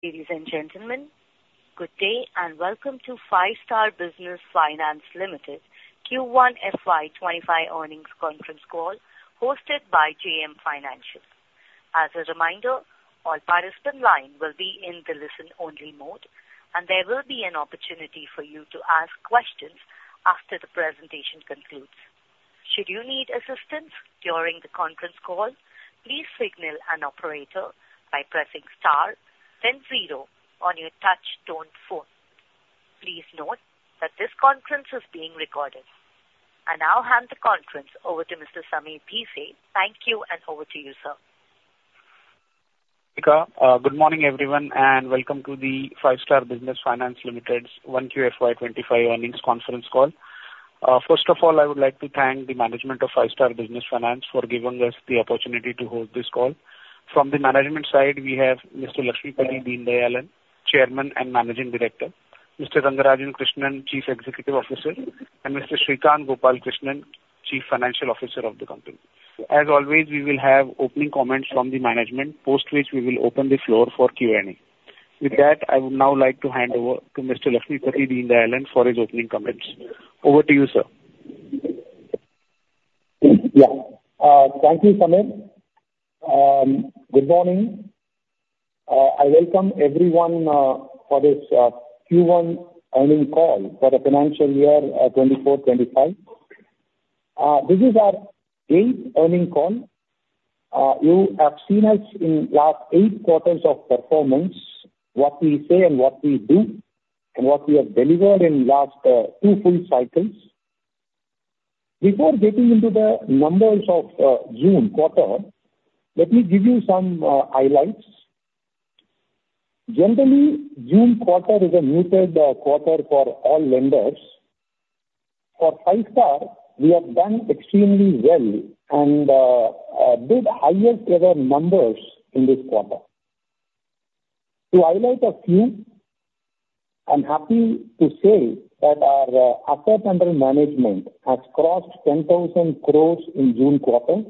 Ladies and gentlemen, good day, and welcome to Five Star Business Finance Limited Q1 FY25 earnings conference call, hosted by JM Financial. As a reminder, all participant lines will be in the listen-only mode, and there will be an opportunity for you to ask questions after the presentation concludes. Should you need assistance during the conference call, please signal an operator by pressing star then zero on your touch tone phone. Please note that this conference is being recorded. I now hand the conference over to Mr. Sameer Bhise. Thank you, and over to you, sir. Good morning, everyone, and welcome to the Five Star Business Finance Limited's Q1 FY25 earnings conference call. First of all, I would like to thank the management of Five Star Business Finance for giving us the opportunity to hold this call. From the management side, we have Mr. Lakshmipathy Deenadayalan, Chairman and Managing Director, Mr. Rangarajan Krishnan, Chief Executive Officer, and Mr. Srikanth Gopalakrishnan, Chief Financial Officer of the company. As always, we will have opening comments from the management, post which we will open the floor for Q&A. With that, I would now like to hand over to Mr. Lakshmipathy Deenadayalan for his opening comments. Over to you, sir. Yeah. Thank you, Sameer. Good morning. I welcome everyone for this Q1 earnings call for the financial year 2024-25. This is our eighth earnings call. You have seen us in last 8 quarters of performance, what we say and what we do, and what we have delivered in last two full cycles. Before getting into the numbers of June quarter, let me give you some highlights. Generally, June quarter is a muted quarter for all lenders. For Five Star, we have done extremely well and did highest ever numbers in this quarter. To highlight a few, I'm happy to say that our asset under management has crossed 10,000 crore in June quarter.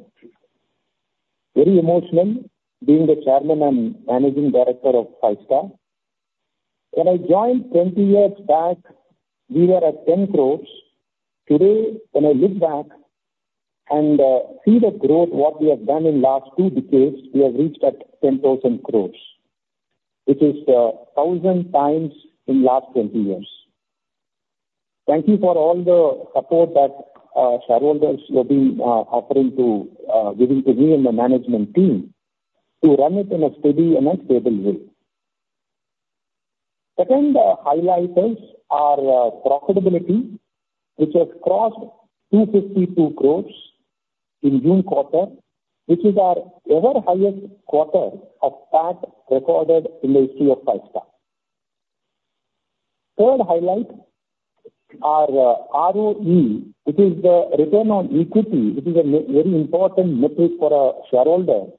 Very emotional, being the chairman and managing director of Five Star. When I joined 20 years back, we were at 10 crore. Today, when I look back and see the growth, what we have done in last two decades, we have reached at 10,000 crore. This is 1,000 times in last 20 years. Thank you for all the support that shareholders have been offering to giving to me and the management team to run it in a steady and a stable way. Second highlight is our profitability, which has crossed 252 crore in June quarter, which is our ever highest quarter of PAT recorded in the history of Five Star. Third highlight, our ROE, it is the return on equity, it is a very important metric for our shareholder,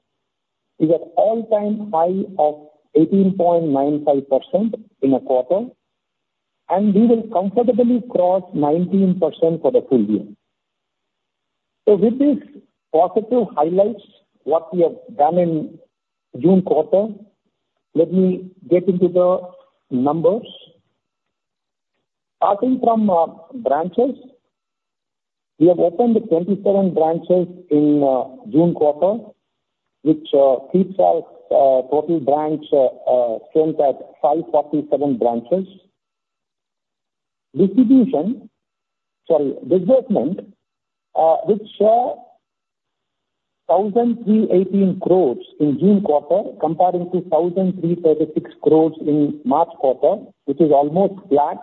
is at all-time high of 18.95% in a quarter, and we will comfortably cross 19% for the full year. So with these positive highlights, what we have done in June quarter, let me get into the numbers. Starting from branches, we have opened 27 branches in June quarter, which keeps our total branch strength at 547 branches. Disbursement, sorry, which saw 1,318 crore in June quarter, comparing to 1,336 crore in March quarter, which is almost flat.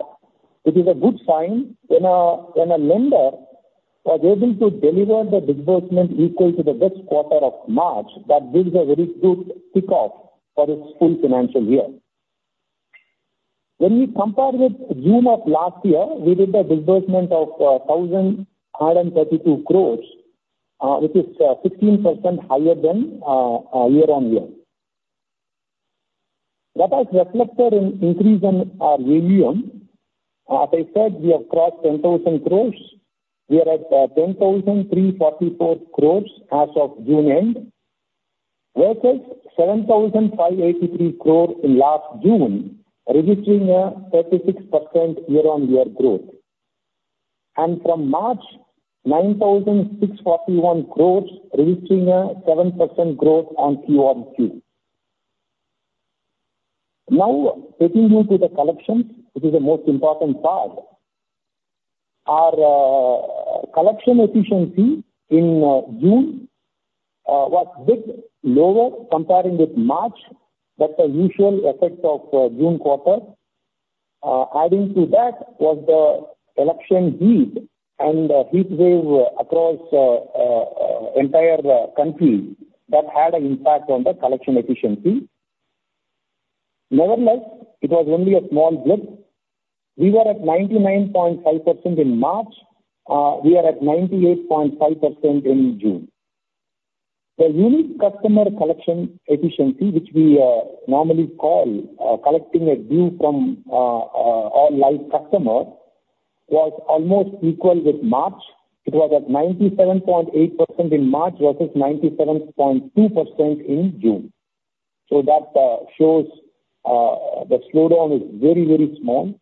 It is a good sign when a lender was able to deliver the disbursement equal to the best quarter of March, that gives a very good kickoff for this full financial year. When we compare with June of last year, we did a disbursement of 1,132 crore, which is 16% higher than year on year. That has reflected in increase in our volume. As I said, we have crossed 10,000 crore. We are at 10,344 crore as of June end, versus 7,583 crore in last June, registering a 36% year-on-year growth. And from March, 9,641 crore, registering a 7% growth on Q-over-Q. Now, taking you to the collections, which is the most important part. Our collection efficiency in June was bit lower comparing with March, that's the usual effect of June quarter. Adding to that, was the election heat and heat wave across entire country, that had an impact on the collection efficiency. Nevertheless, it was only a small blip. We were at 99.5% in March. We are at 98.5% in June. The unique customer collection efficiency, which we normally call collecting dues from our live customers, was almost equal with March. It was at 97.8% in March, versus 97.2% in June. So that shows the slowdown is very, very small.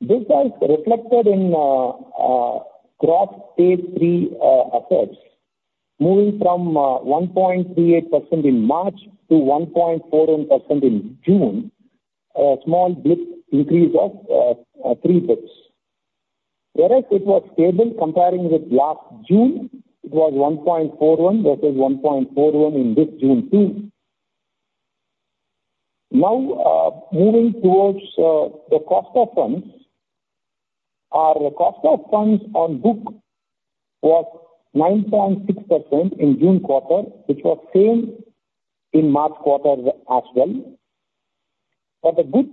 This was reflected in Gross Stage 3 assets, moving from 1.38% in March to 1.41% in June, a small blip increase of three basis points. Whereas it was stable comparing with last June, it was 1.41%, that is 1.41% in this June, too. Now, moving towards the cost of funds. Our cost of funds on book was 9.6% in June quarter, which was same in March quarter as well. But the good,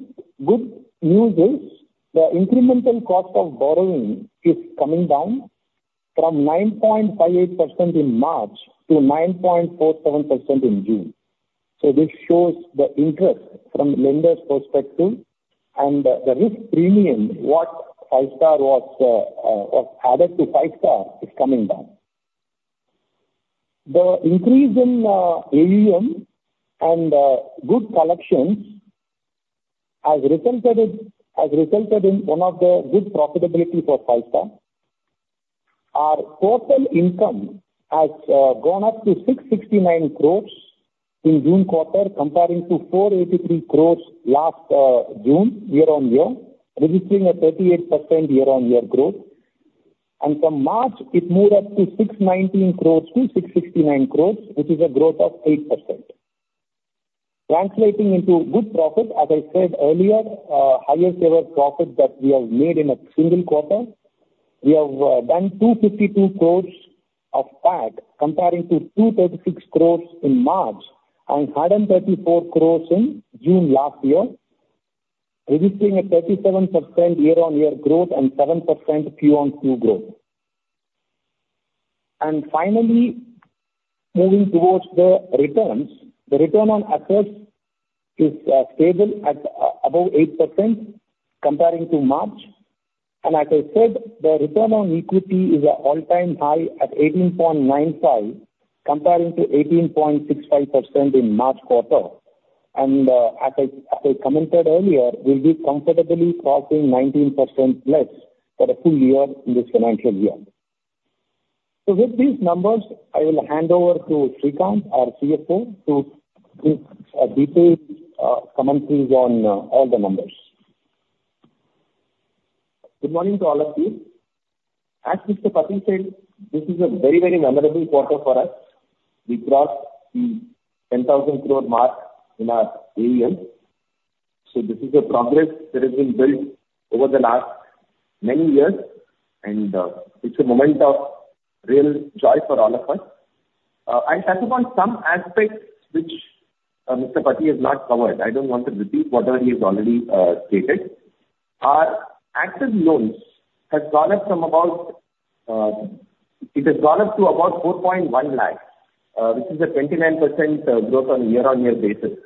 good news is the incremental cost of borrowing is coming down from 9.58% in March to 9.47% in June. So this shows the interest from lender's perspective and the risk premium, what Five Star was, was added to Five Star, is coming down. The increase in AUM and good collections has resulted in one of the good profitability for Five Star. Our total income has gone up to 669 crore in June quarter, comparing to 483 crore last June, year-on-year, registering a 38% year-on-year growth. And from March, it moved up to 619 crore to 669 crore, which is a growth of 8%. Translating into good profit, as I said earlier, highest ever profit that we have made in a single quarter. We have done 252 crores of PAT, compared to 236 crores in March and 134 crores in June last year, registering a 37% year-on-year growth and 7% Q-on-Q growth. Finally, moving towards the returns. The return on assets is stable at above 8% compared to March. And as I said, the return on equity is at all-time high at 18.95%, compared to 18.65% in March quarter. And as I commented earlier, we'll be comfortably crossing 19%+ for a full year in this financial year. So with these numbers, I will hand over to Srikanth, our CFO, to give detailed commentaries on all the numbers. Good morning to all of you. As Mr. Pathi said, this is a very, very memorable quarter for us. We crossed the 10,000 crore mark in our AUM, so this is a progress that has been built over the last many years, and, it's a moment of real joy for all of us. I'll touch upon some aspects which, Mr. Pathi has not covered. I don't want to repeat whatever he has already, stated. Our active loans has gone up from about, it has gone up to about 4.1 lakh, which is a 29%, growth on a year-on-year basis.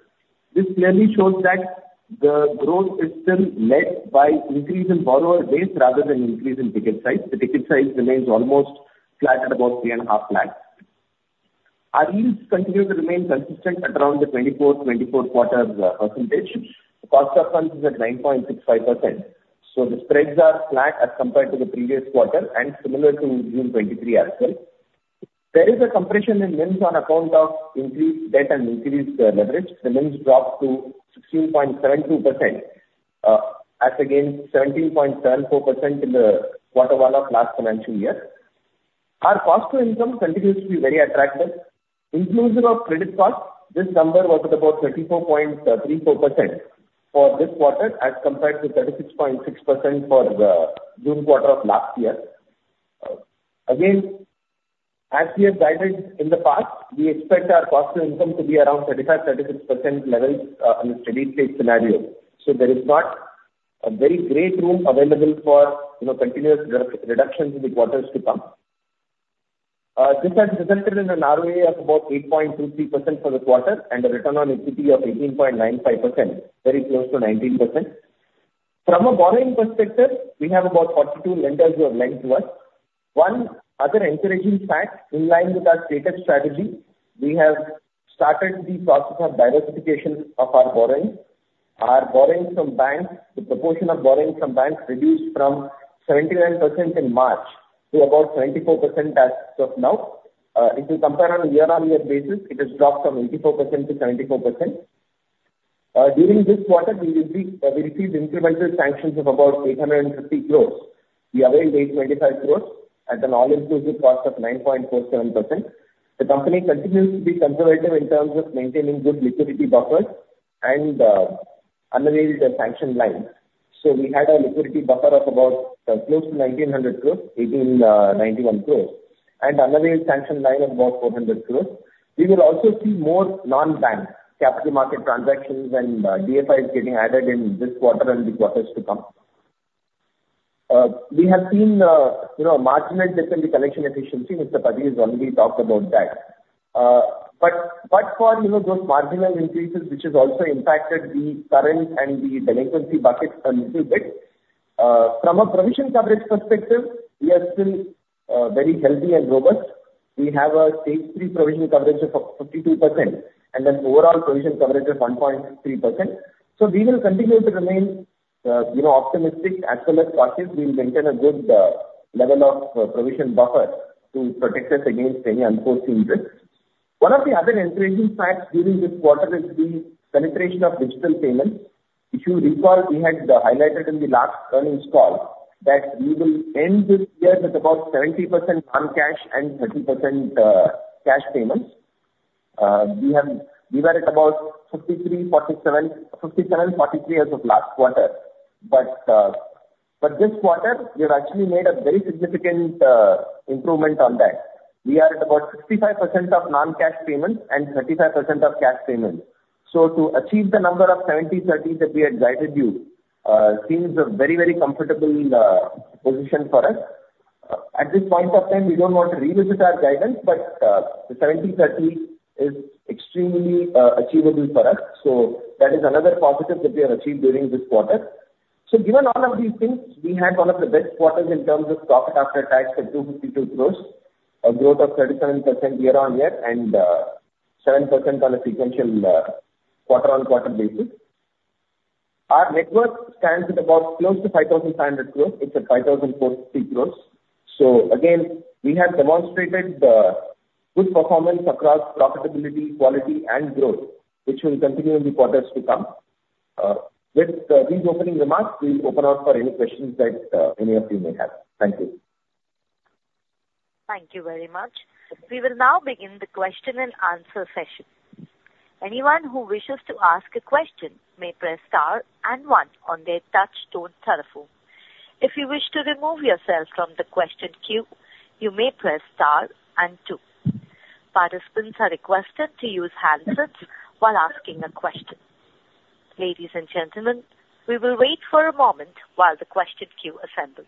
This clearly shows that the growth is still led by increase in borrower base rather than increase in ticket size. The ticket size remains almost flat at about 3.5 lakh. Our yields continue to remain consistent at around the 24%. The cost of funds is at 9.65%, so the spreads are flat as compared to the previous quarter and similar to June 2023 as well. There is a compression in NIMs on account of increased debt and increased leverage. The NIMs dropped to 16.72%, as against 17.74% in quarter one of last financial year. Our cost to income continues to be very attractive. Inclusive of credit cost, this number was at about 34.34% for this quarter, as compared to 36.6% for the June quarter of last year. Again, as we have guided in the past, we expect our cost to income to be around 35%-36% levels in a steady state scenario. So there is not a very great room available for, you know, continuous reductions in the quarters to come. This has resulted in an ROA of about 8.23% for the quarter and a return on equity of 18.95%, very close to 19%. From a borrowing perspective, we have about 42 lenders who have lent to us. One other encouraging fact, in line with our stated strategy, we have started the process of diversification of our borrowing. Our borrowing from banks, the proportion of borrowing from banks reduced from 79% in March to about 74% as of now. If you compare on a year-on-year basis, it has dropped from 84% to 74%. During this quarter, we received incremental sanctions of about 850 crore. We availed 825 crore at an all-inclusive cost of 9.47%. The company continues to be conservative in terms of maintaining good liquidity buffers and unavailed sanction line. So we had a liquidity buffer of about close to 1,900 crore, 1,891 crore, and unavailed sanction line of about 400 crore. We will also see more non-bank capital market transactions, and DFIs getting added in this quarter and the quarters to come. We have seen you know, a marginal dip in the collection efficiency. Mr. Pathi has already talked about that. But, but for you know, those marginal increases, which has also impacted the current and the delinquency buckets a little bit from a provision coverage perspective, we are still very healthy and robust. We have a Stage Three provision coverage of, of 52%, and then overall provision coverage of 1.3%. So we will continue to remain, you know, optimistic as well as cautious. We will maintain a good level of provision buffer to protect us against any unforeseen risks. One of the other encouraging facts during this quarter is the penetration of digital payments. If you recall, we had highlighted in the last earnings call that we will end this year with about 70% non-cash and 30% cash payments. We were at about 53, 47, 57, 43 as of last quarter, but for this quarter, we have actually made a very significant improvement on that. We are at about 65% of non-cash payments and 35% of cash payments. So to achieve the number of 70/30 that we had guided you, seems a very, very comfortable position for us. At this point of time, we don't want to revisit our guidance, but the 70/30 is extremely achievable for us, so that is another positive that we have achieved during this quarter. So given all of these things, we had one of the best quarters in terms of profit after tax at 252 crore, a growth of 37% year-on-year and seven percent on a sequential quarter-on-quarter basis. Our net worth stands at about close to 5,500 crore. It's at 5,430 crore. So again, we have demonstrated good performance across profitability, quality, and growth, which will continue in the quarters to come. With these opening remarks, we open up for any questions that any of you may have. Thank you. Thank you very much. We will now begin the question and answer session. Anyone who wishes to ask a question may press star and one on their touch tone telephone. If you wish to remove yourself from the question queue, you may press star and two. Participants are requested to use handsets while asking a question. Ladies and gentlemen, we will wait for a moment while the question queue assembles.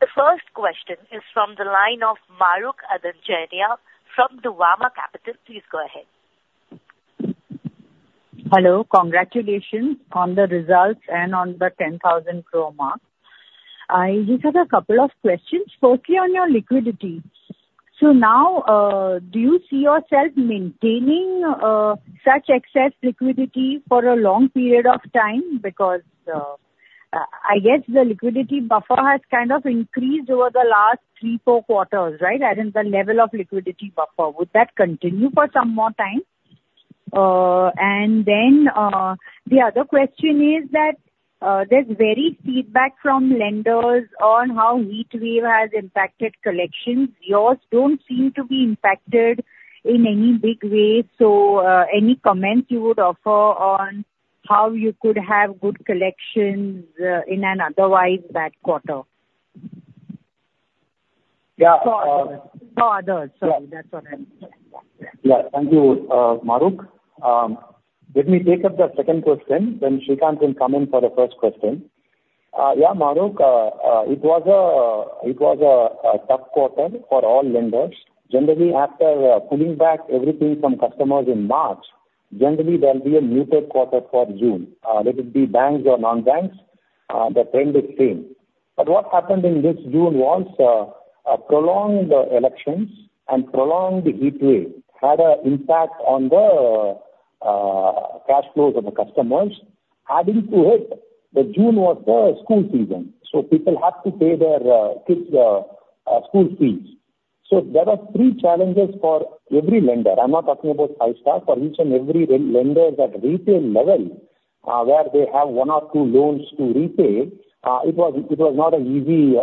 The first question is from the line of Mahrukh Adajania from Nuvama Wealth. Please go ahead. Hello. Congratulations on the results and on the 10,000 crore mark. I just have a couple of questions, firstly, on your liquidity. So now, do you see yourself maintaining such excess liquidity for a long period of time? Because, I guess the liquidity buffer has kind of increased over the last three, four quarters, right? As in the level of liquidity buffer. Would that continue for some more time? And then, the other question is that, there's varied feedback from lenders on how heat wave has impacted collections. Yours don't seem to be impacted in any big way, so, any comments you would offer on how you could have good collections, in an otherwise bad quarter? Yeah, uh- For others. Sorry, that's what I mean. Yeah. Thank you, Mahrukh. Let me take up the second question, then Srikanth can come in for the first question. Yeah, Mahrukh, it was a, it was a tough quarter for all lenders. Generally, after pulling back everything from customers in March, generally, there will be a muted quarter for June. Let it be banks or non-banks, the trend is same. But what happened in this June was, a prolonged elections and prolonged heat wave had a impact on the cash flows of the customers. Adding to it, the June was the school season, so people have to pay their kids' school fees. So there were three challenges for every lender. I'm not talking about Five Star. For each and every retail lenders at retail level, where they have one or two loans to repay, it was not easy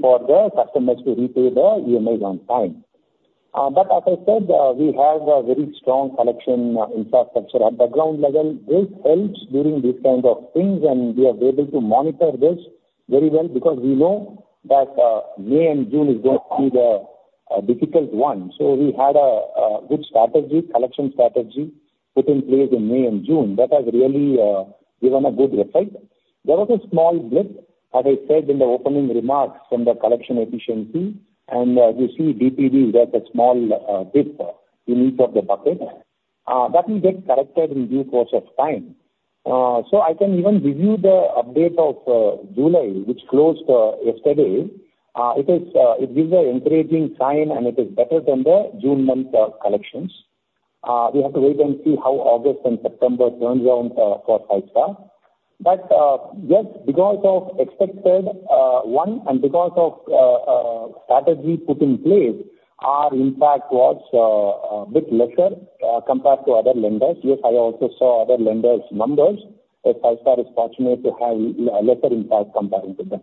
for the customers to repay the EMIs on time. But as I said, we have a very strong collection infrastructure at the ground level. This helps during these kinds of things, and we have been able to monitor this very well because we know that May and June is going to be the difficult one. So we had a good strategy, collection strategy, put in place in May and June. That has really given a good result. There was a small blip, as I said in the opening remarks, from the collection efficiency, and you see DPD got a small dip in each of the buckets. That will get corrected in due course of time. So I can even give you the update of July, which closed yesterday. It gives an encouraging sign, and it is better than the June month collections. We have to wait and see how August and September turns out for Five Star. But just because of expected one, and because of strategy put in place, our impact was bit lesser compared to other lenders. Yes, I also saw other lenders' numbers, but Five Star is fortunate to have lesser impact comparing to them.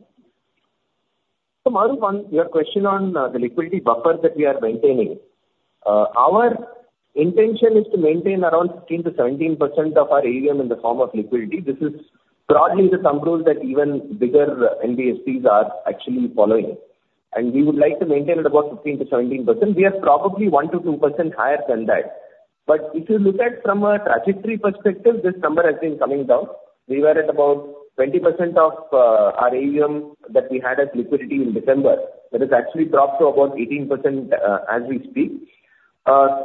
So Mahrukh, on your question on the liquidity buffer that we are maintaining, our intention is to maintain around 15%-17% of our AUM in the form of liquidity. This is broadly the thumb rule that even bigger NBFCs are actually following... and we would like to maintain it about 15%-17%. We are probably 1%-2% higher than that. But if you look at from a trajectory perspective, this number has been coming down. We were at about 20% of our AUM that we had as liquidity in December. That has actually dropped to about 18% as we speak.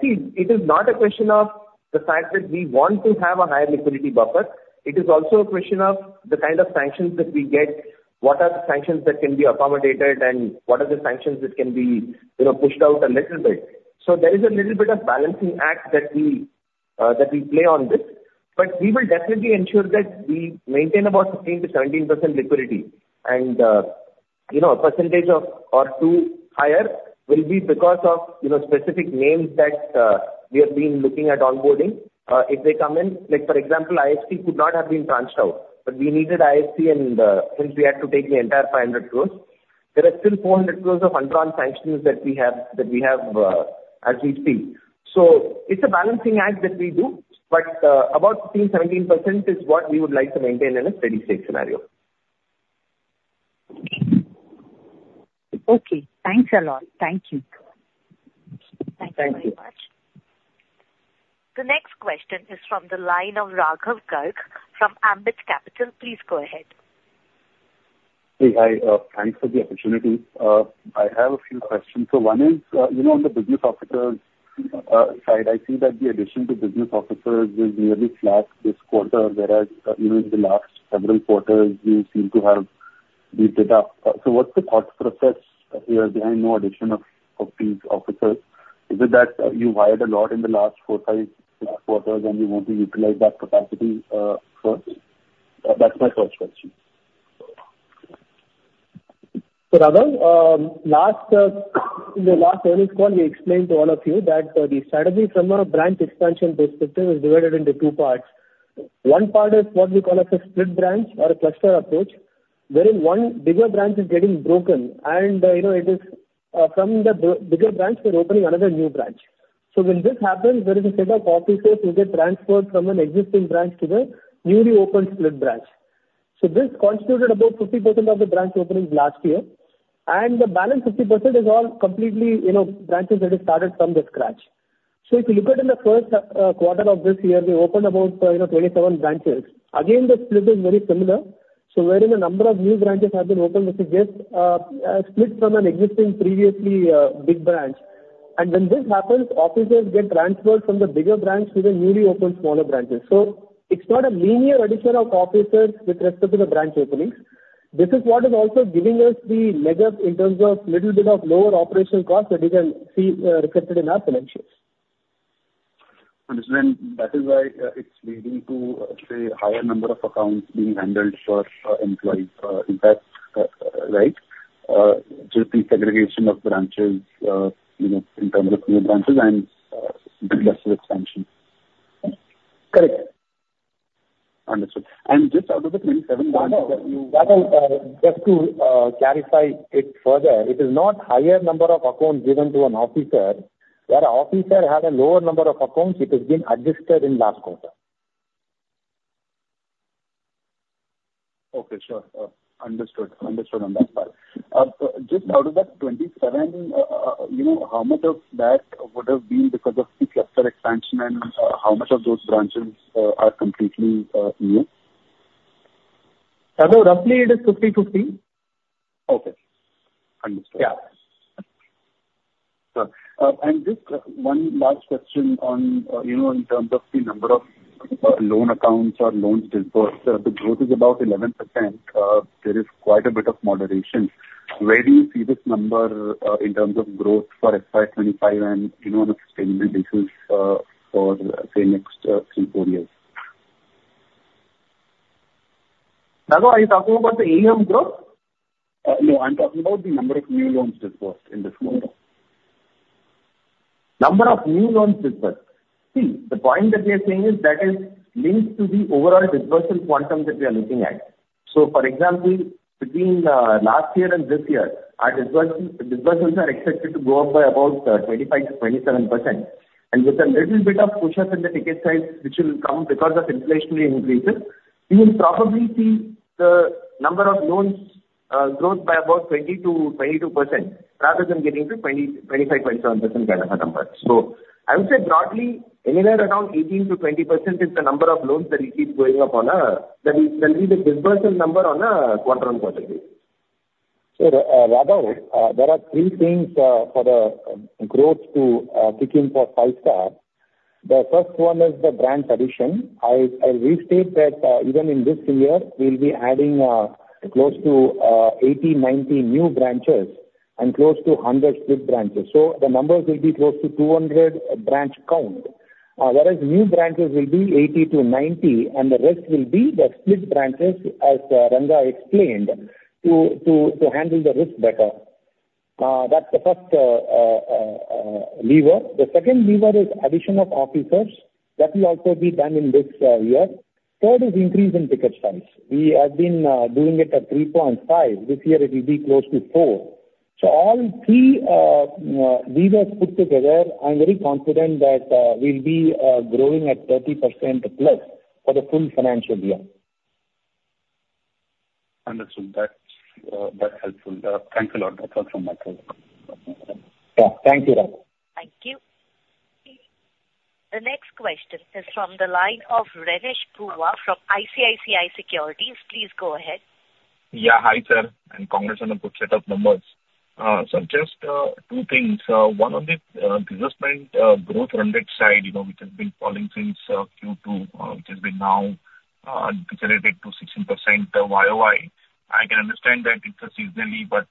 See, it is not a question of the fact that we want to have a higher liquidity buffer. It is also a question of the kind of sanctions that we get, what are the sanctions that can be accommodated, and what are the sanctions that can be, you know, pushed out a little bit. So there is a little bit of balancing act that we, that we play on this. But we will definitely ensure that we maintain about 15%-17% liquidity. And, you know, one or two percent higher will be because of, you know, specific names that, we have been looking at onboarding. If they come in, like, for example, IFC could not have been tranched out, but we needed IFC, and, since we had to take the entire 500 crore, there are still 400 crore of untranched sanctions that we have, that we have, as we speak. So it's a balancing act that we do, but, about 15%-17% is what we would like to maintain in a steady state scenario. Okay, thanks a lot. Thank you. Thank you. Thank you very much. The next question is from the line of Raghav Garg from Ambit Capital. Please go ahead. Hey, hi, thanks for the opportunity. I have a few questions. So one is, you know, on the business officers side, I see that the addition to business officers was really flat this quarter, whereas, you know, in the last several quarters, you seem to have beefed it up. So what's the thought process here behind no addition of these officers? Is it that you hired a lot in the last four, five quarters, and you want to utilize that capacity first? That's my first question. So, Raghav, in the last earnings call, we explained to all of you that the strategy from a branch expansion perspective is divided into two parts. One part is what we call as a split branch or a cluster approach, wherein one bigger branch is getting broken and, you know, it is, from the bigger branch, we're opening another new branch. So when this happens, there is a set of officers who get transferred from an existing branch to the newly opened split branch. So this constituted about 50% of the branch openings last year, and the balance 50% is all completely, you know, branches that are started from the scratch. So if you look at in the first quarter of this year, we opened about, you know, 27 branches. Again, the split is very similar. So wherein a number of new branches have been opened, this is just split from an existing previously big branch. And when this happens, officers get transferred from the bigger branch to the newly opened smaller branches. So it's not a linear addition of officers with respect to the branch openings. This is what is also giving us the leg up in terms of little bit of lower operational costs that you can see reflected in our financials. Understood. That is why, it's leading to, say, higher number of accounts being handled for employees, impact, right? Just the segregation of branches, you know, in terms of new branches and cluster expansion. Correct. Understood. And just out of the 27 branches that you- Raghav, just to clarify it further, it is not higher number of accounts given to an officer. Where an officer had a lower number of accounts, it has been adjusted in last quarter. Okay, sure. Understood. Understood on that part. Just out of that 27, you know, how much of that would have been because of the cluster expansion, and how much of those branches are completely new? Raghav, roughly it is 50/50. Okay. Understood. Yeah. Just one last question on, you know, in terms of the number of loan accounts or loans disbursed. The growth is about 11%. There is quite a bit of moderation. Where do you see this number, in terms of growth for FY 2025 and, you know, the sustainability, for, say, next three, four years? Raghav, are you talking about the AUM growth? No, I'm talking about the number of new loans disbursed in this quarter. Number of new loans disbursed. See, the point that we are saying is that is linked to the overall dispersal quantum that we are looking at. So, for example, between last year and this year, our disbursals, disbursements are expected to go up by about 25%-27%. And with a little bit of push-ups in the ticket size, which will come because of inflationary increases, we will probably see the number of loans grow by about 20%-22%, rather than getting to 20, 25.7% kind of a number. So I would say broadly, anywhere around 18%-20% is the number of loans that it keeps going up on a... That is, will be the disbursement number on a quarter-on-quarter base. So, Raghav, there are three things for the growth to kick in for Five Star. The first one is the branch addition. I restate that even in this year, we'll be adding close to 80-90 new branches and close to 100 split branches. So the numbers will be close to 200 branch count, whereas new branches will be 80-90, and the rest will be the split branches, as Ranga explained, to handle the risk better. That's the first lever. The second lever is addition of officers. That will also be done in this year. Third is increase in ticket size. We have been doing it at 3.5. This year it will be close to 4. So all three levers put together, I'm very confident that we'll be growing at 30%+ for the full financial year.... Understood. That's, that's helpful. Thanks a lot. That's all from my side. Yeah, thank you, Ranga. Thank you. The next question is from the line of Renish Bhuva from ICICI Securities. Please go ahead. Yeah. Hi, sir, and congrats on a good set of numbers. So just two things. One on the disbursement growth run rate side, you know, which has been falling since Q2, which has been now decelerated to 16% YOY. I can understand that it's seasonal, but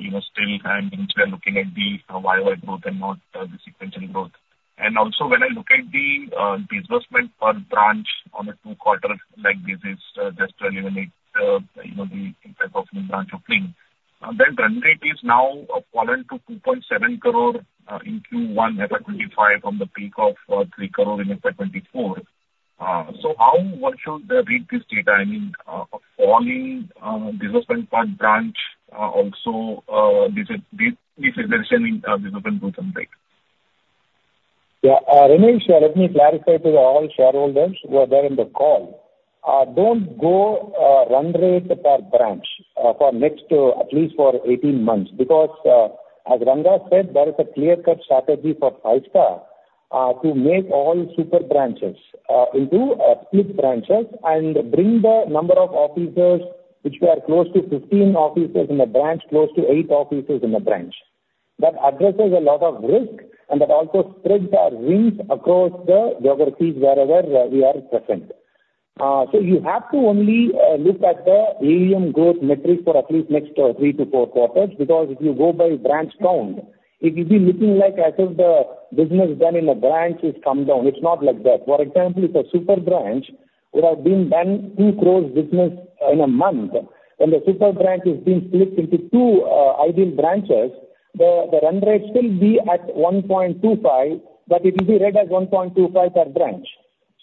you know, still, I'm instead looking at the YOY growth and not the sequential growth. And also, when I look at the disbursement per branch on a two-quarter, like this is just to eliminate you know, the impact of new branch opening, that run rate is now fallen to 2.7 crore in Q1 FY25 from the peak of 3 crore in FY24. So how one should read this data? I mean, a falling disbursement per branch, also, this is deceleration in disbursement growth, right? Yeah, Renish, let me clarify to all shareholders who are there in the call. Don't go, run rate per branch, for next, at least for 18 months, because, as Ranga said, there is a clear-cut strategy for Five Star, to make all super branches, into, split branches and bring the number of officers, which were close to 15 officers in a branch, close to 8 officers in a branch. That addresses a lot of risk, and that also spreads our wings across the geographies wherever, we are present. So you have to only, look at the AUM growth metrics for at least next, 3-4 quarters, because if you go by branch count, it will be looking like as if the business done in a branch has come down. It's not like that. For example, if a super branch would have been done INR 2 crore business in a month, when the super branch is being split into two, ideal branches, the run rate still be at 1.25, but it will be read as 1.25 per branch.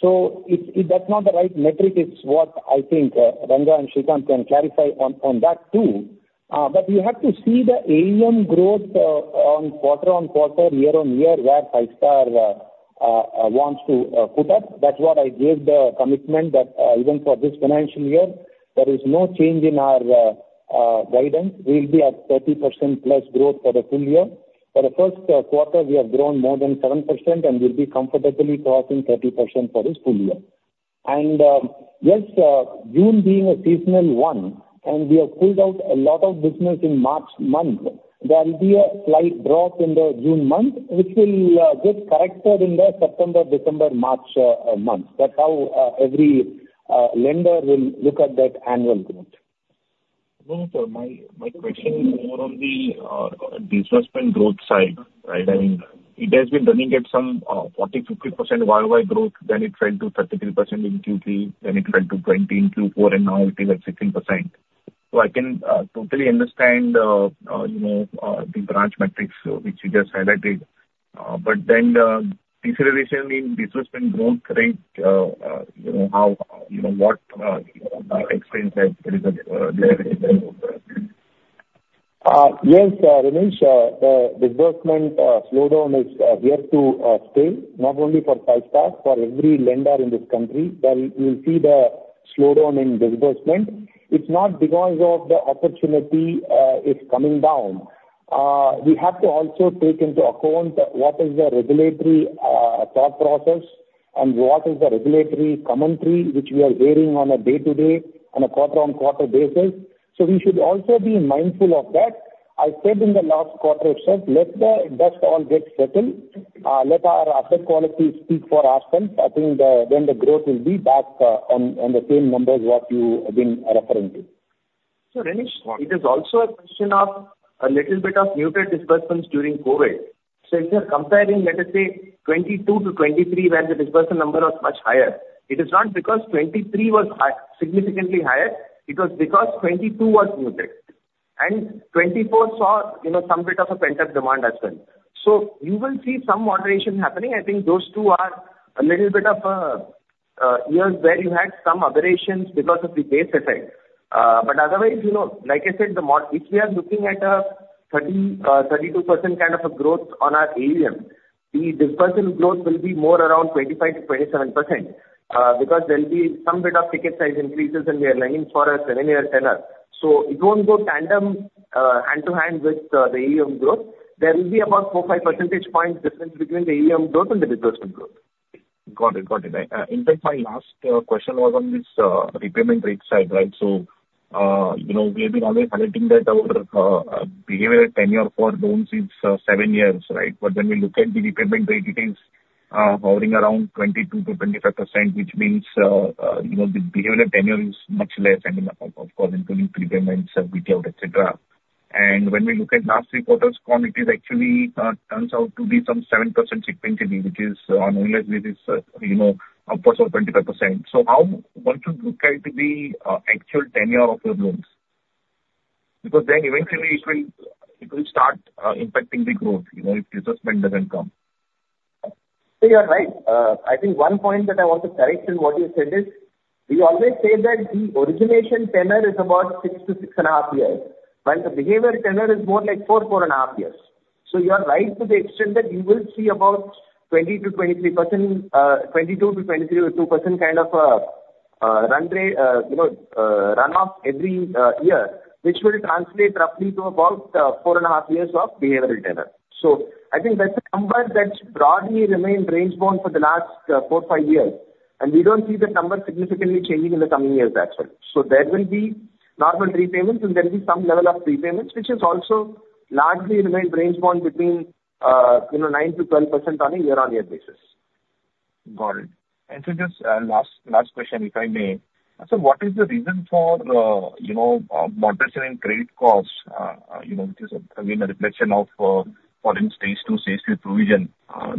So it's, that's not the right metric. It's what I think, Ranga and Srikanth can clarify on, on that, too. But you have to see the AUM growth, on quarter-on-quarter, year-on-year, where Five Star, wants to, put up. That's what I gave the commitment, that, even for this financial year, there is no change in our, guidance. We will be at 30%+ growth for the full year. For the first quarter, we have grown more than 7%, and we'll be comfortably crossing 30% for this full year. Yes, June being a seasonal one, and we have pulled out a lot of business in March month, there will be a slight drop in the June month, which will get corrected in the September, December, March month. That's how every lender will look at that annual growth. No, sir, my, my question is more on the, disbursement growth side, right? I mean, it has been running at some, 40, 50% YOY growth, then it fell to 33% in Q3, then it fell to 20 in Q4, and now it is at 16%. So I can, totally understand, you know, the branch metrics, which you just highlighted. But then, deceleration in disbursement growth rate, you know, how, you know, what, explains that there is a, there? Yes, Renish, the disbursement slowdown is here to stay. Not only for Five Star, for every lender in this country, there you will see the slowdown in disbursement. It's not because of the opportunity is coming down. We have to also take into account what is the regulatory thought process and what is the regulatory commentary, which we are hearing on a day-to-day, on a quarter-on-quarter basis. So we should also be mindful of that. I said in the last quarter itself, let the dust all get settled. Let our asset quality speak for ourselves. I think, then the growth will be back, on the same numbers what you have been referring to. So, Renish, it is also a question of a little bit of muted disbursements during COVID. So if you are comparing, let us say, 2022 to 2023, where the disbursement number was much higher, it is not because 2023 was high, significantly higher. It was because 2022 was muted, and 2024 saw, you know, some bit of a pent-up demand as well. So you will see some moderation happening. I think those two are a little bit of years where you had some aberrations because of the base effect. But otherwise, you know, like I said, if we are looking at a 32% kind of a growth on our AUM, the disbursement growth will be more around 25%-27%, because there will be some bit of ticket size increases in their loans for a 7-year tenor. So it won't go tandem, hand to hand with the AUM growth. There will be about 4-5 percentage points difference between the AUM growth and the disbursement growth. Got it, got it. In fact, my last question was on this repayment rate side, right? So, you know, we have been always highlighting that our behavior tenure for loans is 7 years, right? But when we look at the repayment rate, it is hovering around 22%-25%, which means, you know, the behavior tenure is much less and, of course, including prepayments, buyout, et cetera. And when we look at last 3 quarters, it is actually turns out to be some 7% sequentially, which is, unless it is, you know, up to 25%. So how one should look at the actual tenure of your loans? Because then eventually it will, it will start impacting the growth, you know, if disbursement doesn't come. You are right. I think one point that I want to correct in what you said is, we always say that the origination tenure is about 6-6.5 years, while the behavior tenure is more like 4-4.5 years. You are right to the extent that you will see about 20%-23%, 22%-23% or 2% kind of run rate, you know, run off every year, which will translate roughly to about 4.5 years of behavioral data. I think that's a number that's broadly remained range bound for the last 4-5 years, and we don't see that number significantly changing in the coming years as well. So there will be normal repayments, and there will be some level of prepayments, which has also largely remained range bound between, you know, 9%-12% on a year-on-year basis. Got it. So just last question, if I may. Sir, what is the reason for, you know, moderation in credit costs? You know, which is again, a reflection of lowering stage two, stage three provision,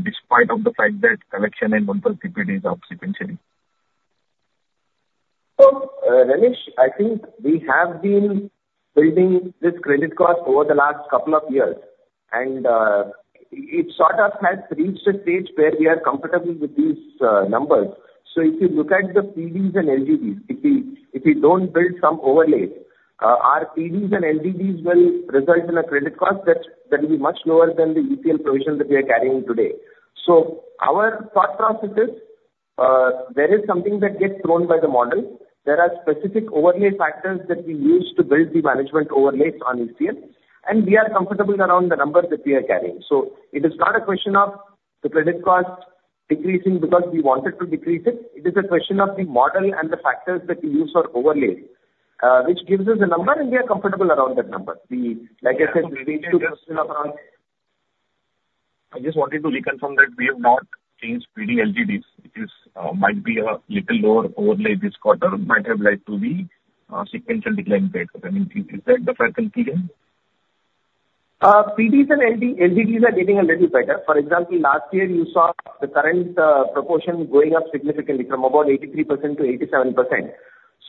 despite of the fact that collection and multiple DPDs are sequentially. So, Renish, I think we have been building this credit cost over the last couple of years, and it sort of has reached a stage where we are comfortable with these numbers. So if you look at the PDs and LGDs, if we, if we don't build some overlay, our PDs and LGDs will result in a credit cost that, that will be much lower than the ECL provision that we are carrying today. So our thought process is, there is something that gets thrown by the model. There are specific overlay factors that we use to build the management overlays on ECL, and we are comfortable around the numbers that we are carrying. So it is not a question of the credit cost decreasing because we wanted to decrease it. It is a question of the model and the factors that we use for overlay, which gives us a number, and we are comfortable around that number. We- Yeah. Like I said, we need to question about- I just wanted to reconfirm that we have not changed PD LGDs, which is, might be a little lower overlay this quarter, might have led to the, sequential decline period. I mean, is that the correct thing? PDs and LGDs are getting a little better. For example, last year, you saw the current proportion going up significantly from about 83% to 87%.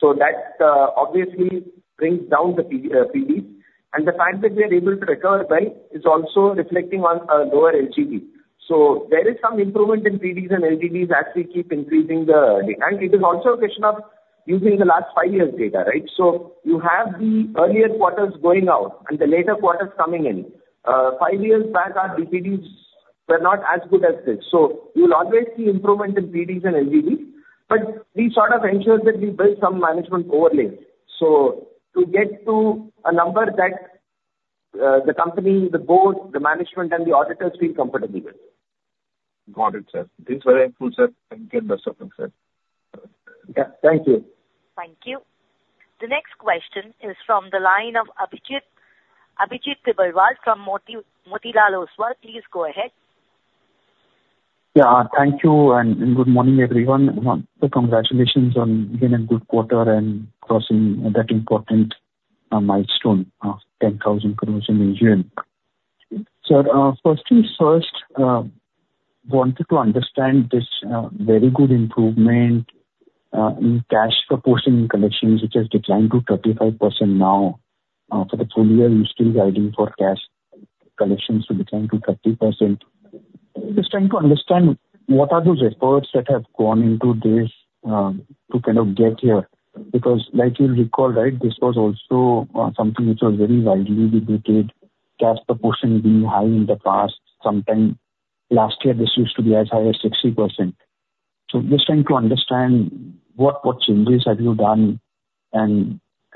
So that obviously brings down the PD. And the fact that we are able to recover well is also reflecting on a lower LGD. So there is some improvement in PDs and LGDs as we keep increasing the... And it is also a question of using the last five years' data, right? So you have the earlier quarters going out and the later quarters coming in. Five years back, our DPDs were not as good as this, so you will always see improvement in PDs and LGDs. But we sort of ensure that we build some management overlay, so to get to a number that the company, the board, the management, and the auditors feel comfortable with. Got it, sir. This is very helpful, sir, and thank you, sir. Yeah. Thank you. Thank you. The next question is from the line of Abhijit, Abhijit Tibrewal from Motilal Oswal. Please go ahead. Yeah. Thank you, and good morning, everyone. Wanted to congratulate on again a good quarter and crossing that important milestone of 10,000 crore in AUM. So, firstly, wanted to understand this very good improvement in cash proportion in collections, which has declined to 35% now. For the full year, you're still guiding for cash collections to decline to 30%. Just trying to understand what are those efforts that have gone into this to kind of get here? Because like you'll recall, right, this was also something which was very widely debated, cash proportion being high in the past. Sometime last year, this used to be as high as 60%. So just trying to understand what changes have you done? I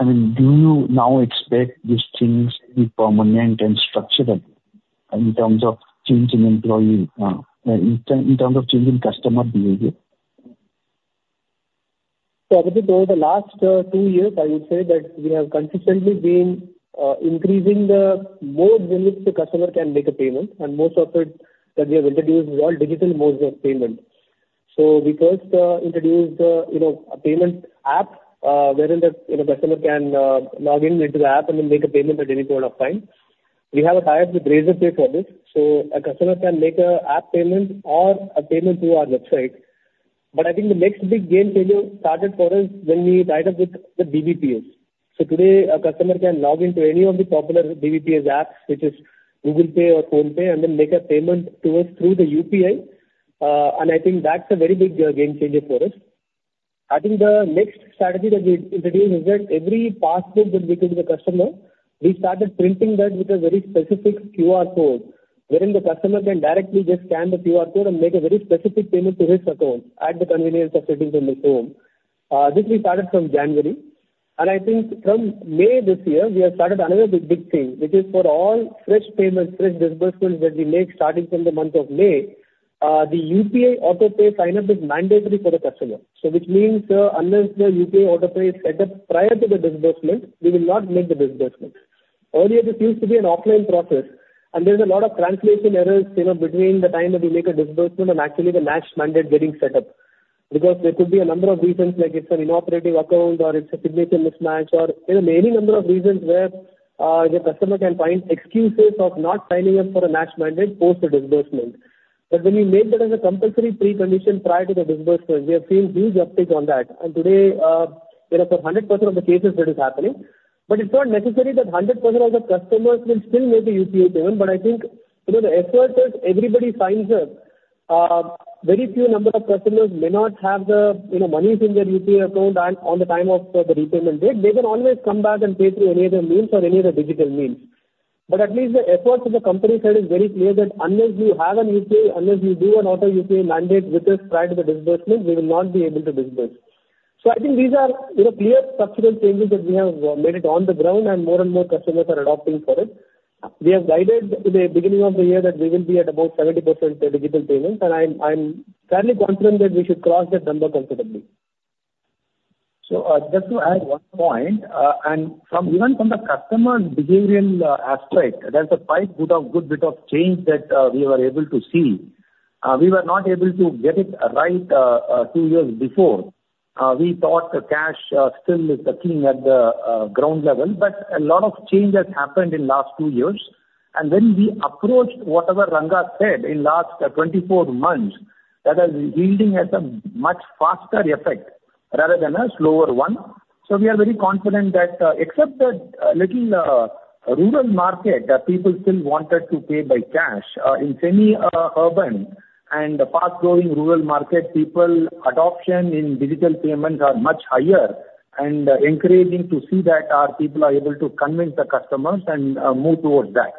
mean, do you now expect these things to be permanent and structural in terms of change in employee, in terms of change in customer behavior? So Abhijit, over the last two years, I would say that we have consistently been increasing the modes in which the customer can make a payment, and most of it that we have introduced is all digital modes of payment. So we first introduced you know, a payment app, wherein the you know, customer can log in into the app and then make a payment at any point of time. We have a tie-up with Razorpay for this, so a customer can make an app payment or a payment through our website. But I think the next big game changer started for us when we tied up with the BBPS. So today, a customer can log into any of the popular BBPS apps, which is Google Pay or PhonePe, and then make a payment to us through the UPI. I think that's a very big game changer for us. I think the next strategy that we introduced is that every password that we give the customer, we started printing that with a very specific QR code, wherein the customer can directly just scan the QR code and make a very specific payment to his account at the convenience of sitting in his home. This we started from January, and I think from May this year, we have started another big, big thing, which is for all fresh payments, fresh disbursements that we make starting from the month of May, the UPI Autopay sign-up is mandatory for the customer. So which means, unless the UPI Autopay is set up prior to the disbursement, we will not make the disbursement. Earlier, this used to be an offline process, and there's a lot of translation errors, you know, between the time that we make a disbursement and actually the NACH mandate getting set up. Because there could be a number of reasons, like it's an inoperative account, or it's a signature mismatch or, you know, any number of reasons where the customer can find excuses of not signing up for a NACH mandate post the disbursement. But when we made that as a compulsory precondition prior to the disbursement, we have seen huge uptake on that. And today, you know, for 100% of the cases that is happening, but it's not necessary that 100% of the customers will still make a UPI payment. But I think, you know, the effort that everybody signs up-... Very few number of customers may not have the, you know, monies in their UPI account and at the time of the repayment date, they can always come back and pay through any other means or any other digital means. But at least the efforts of the company side is very clear that unless you have an UPI, unless you do an auto UPI mandate with us prior to the disbursement, we will not be able to disburse. So I think these are, you know, clear structural changes that we have made it on the ground, and more and more customers are adopting for it. We have guided at the beginning of the year that we will be at about 70% for digital payments, and I'm, I'm fairly confident that we should cross that number considerably. So, just to add one point, and from, even from the customer behavioral aspect, there's a good bit of change that we were able to see. We were not able to get it right 2 years before. We thought the cash still is the king at the ground level, but a lot of changes happened in last 2 years. And when we approached whatever Ranga said in last 24 months, that is yielding at a much faster effect rather than a slower one. So we are very confident that, except that little rural market, that people still wanted to pay by cash, in semi-urban and the fast-growing rural market, people's adoption in digital payments are much higher and encouraging to see that our people are able to convince the customers and, move towards that.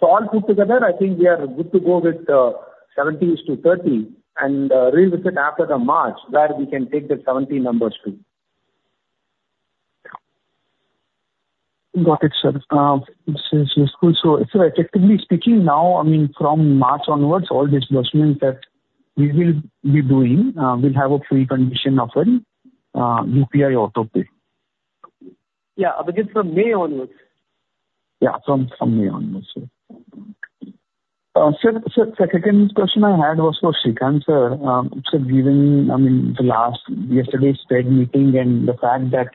So all put together, I think we are good to go with 70s-30 and, revisit after the March, where we can take the 70 numbers too. Got it, sir. This is useful. So effectively speaking now, I mean, from March onwards, all disbursements that we will be doing, will have a precondition of an UPI Autopay? Yeah. It is from May onwards. Yeah, from, from May onwards. Sir, sir, second question I had was for Srikanth, sir. So given, I mean, the last, yesterday's Fed meeting and the fact that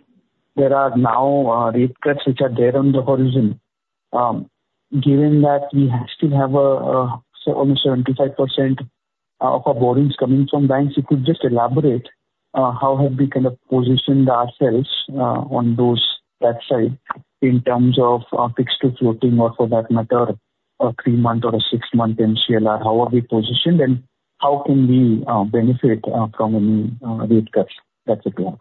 there are now, rate cuts which are there on the horizon, given that we still have, almost 75% of our borrowings coming from banks, you could just elaborate, how have we kind of positioned ourselves, on those, that side in terms of, fixed to floating, or for that matter, a 3-month or a 6-month MCLR? How are we positioned, and how can we, benefit, from any, rate cuts? That's it, yeah.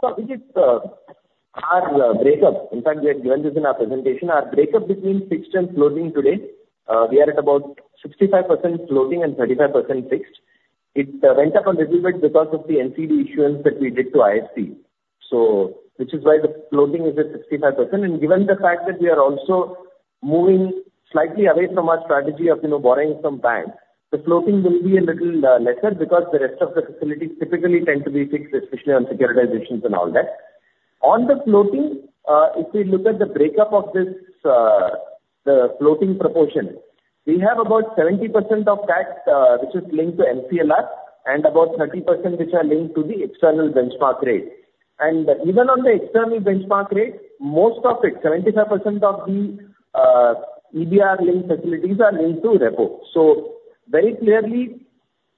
So I think it's our breakup. In fact, we have given this in our presentation. Our breakup between fixed and floating today, we are at about 65% floating and 35% fixed. It went up a little bit because of the NCD issuance that we did to IFC. So which is why the floating is at 65%. And given the fact that we are also moving slightly away from our strategy of, you know, borrowing from banks, the floating will be a little lesser because the rest of the facilities typically tend to be fixed, especially on securitizations and all that. On the floating, if we look at the breakup of this, the floating proportion, we have about 70% of that, which is linked to MCLR and about 30% which are linked to the external benchmark rate. Even on the external benchmark rate, most of it, 75% of the EBR-linked facilities are linked to repo. So very clearly,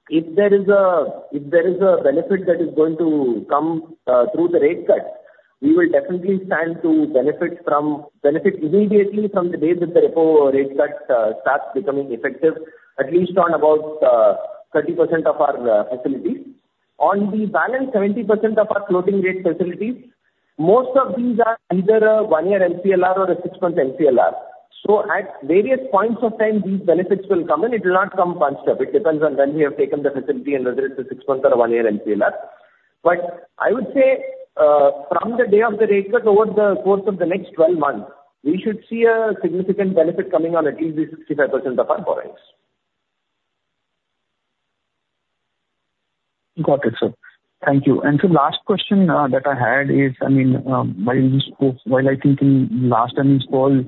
if there is a benefit that is going to come through the rate cut, we will definitely stand to benefit from, benefit immediately from the day that the repo rate cut starts becoming effective, at least on about 30% of our facilities. On the balance, 70% of our floating rate facilities, most of these are either a 1-year MCLR or a 6-month MCLR. So at various points of time, these benefits will come in. It will not come bunched up. It depends on when we have taken the facility and whether it's a 6-month or 1-year MCLR. But I would say, from the day of the rate cut, over the course of the next 12 months, we should see a significant benefit coming on at least the 65% of our borrowings. Got it, sir. Thank you. And so last question, that I had is, I mean, while we spoke, while I think in last earnings call,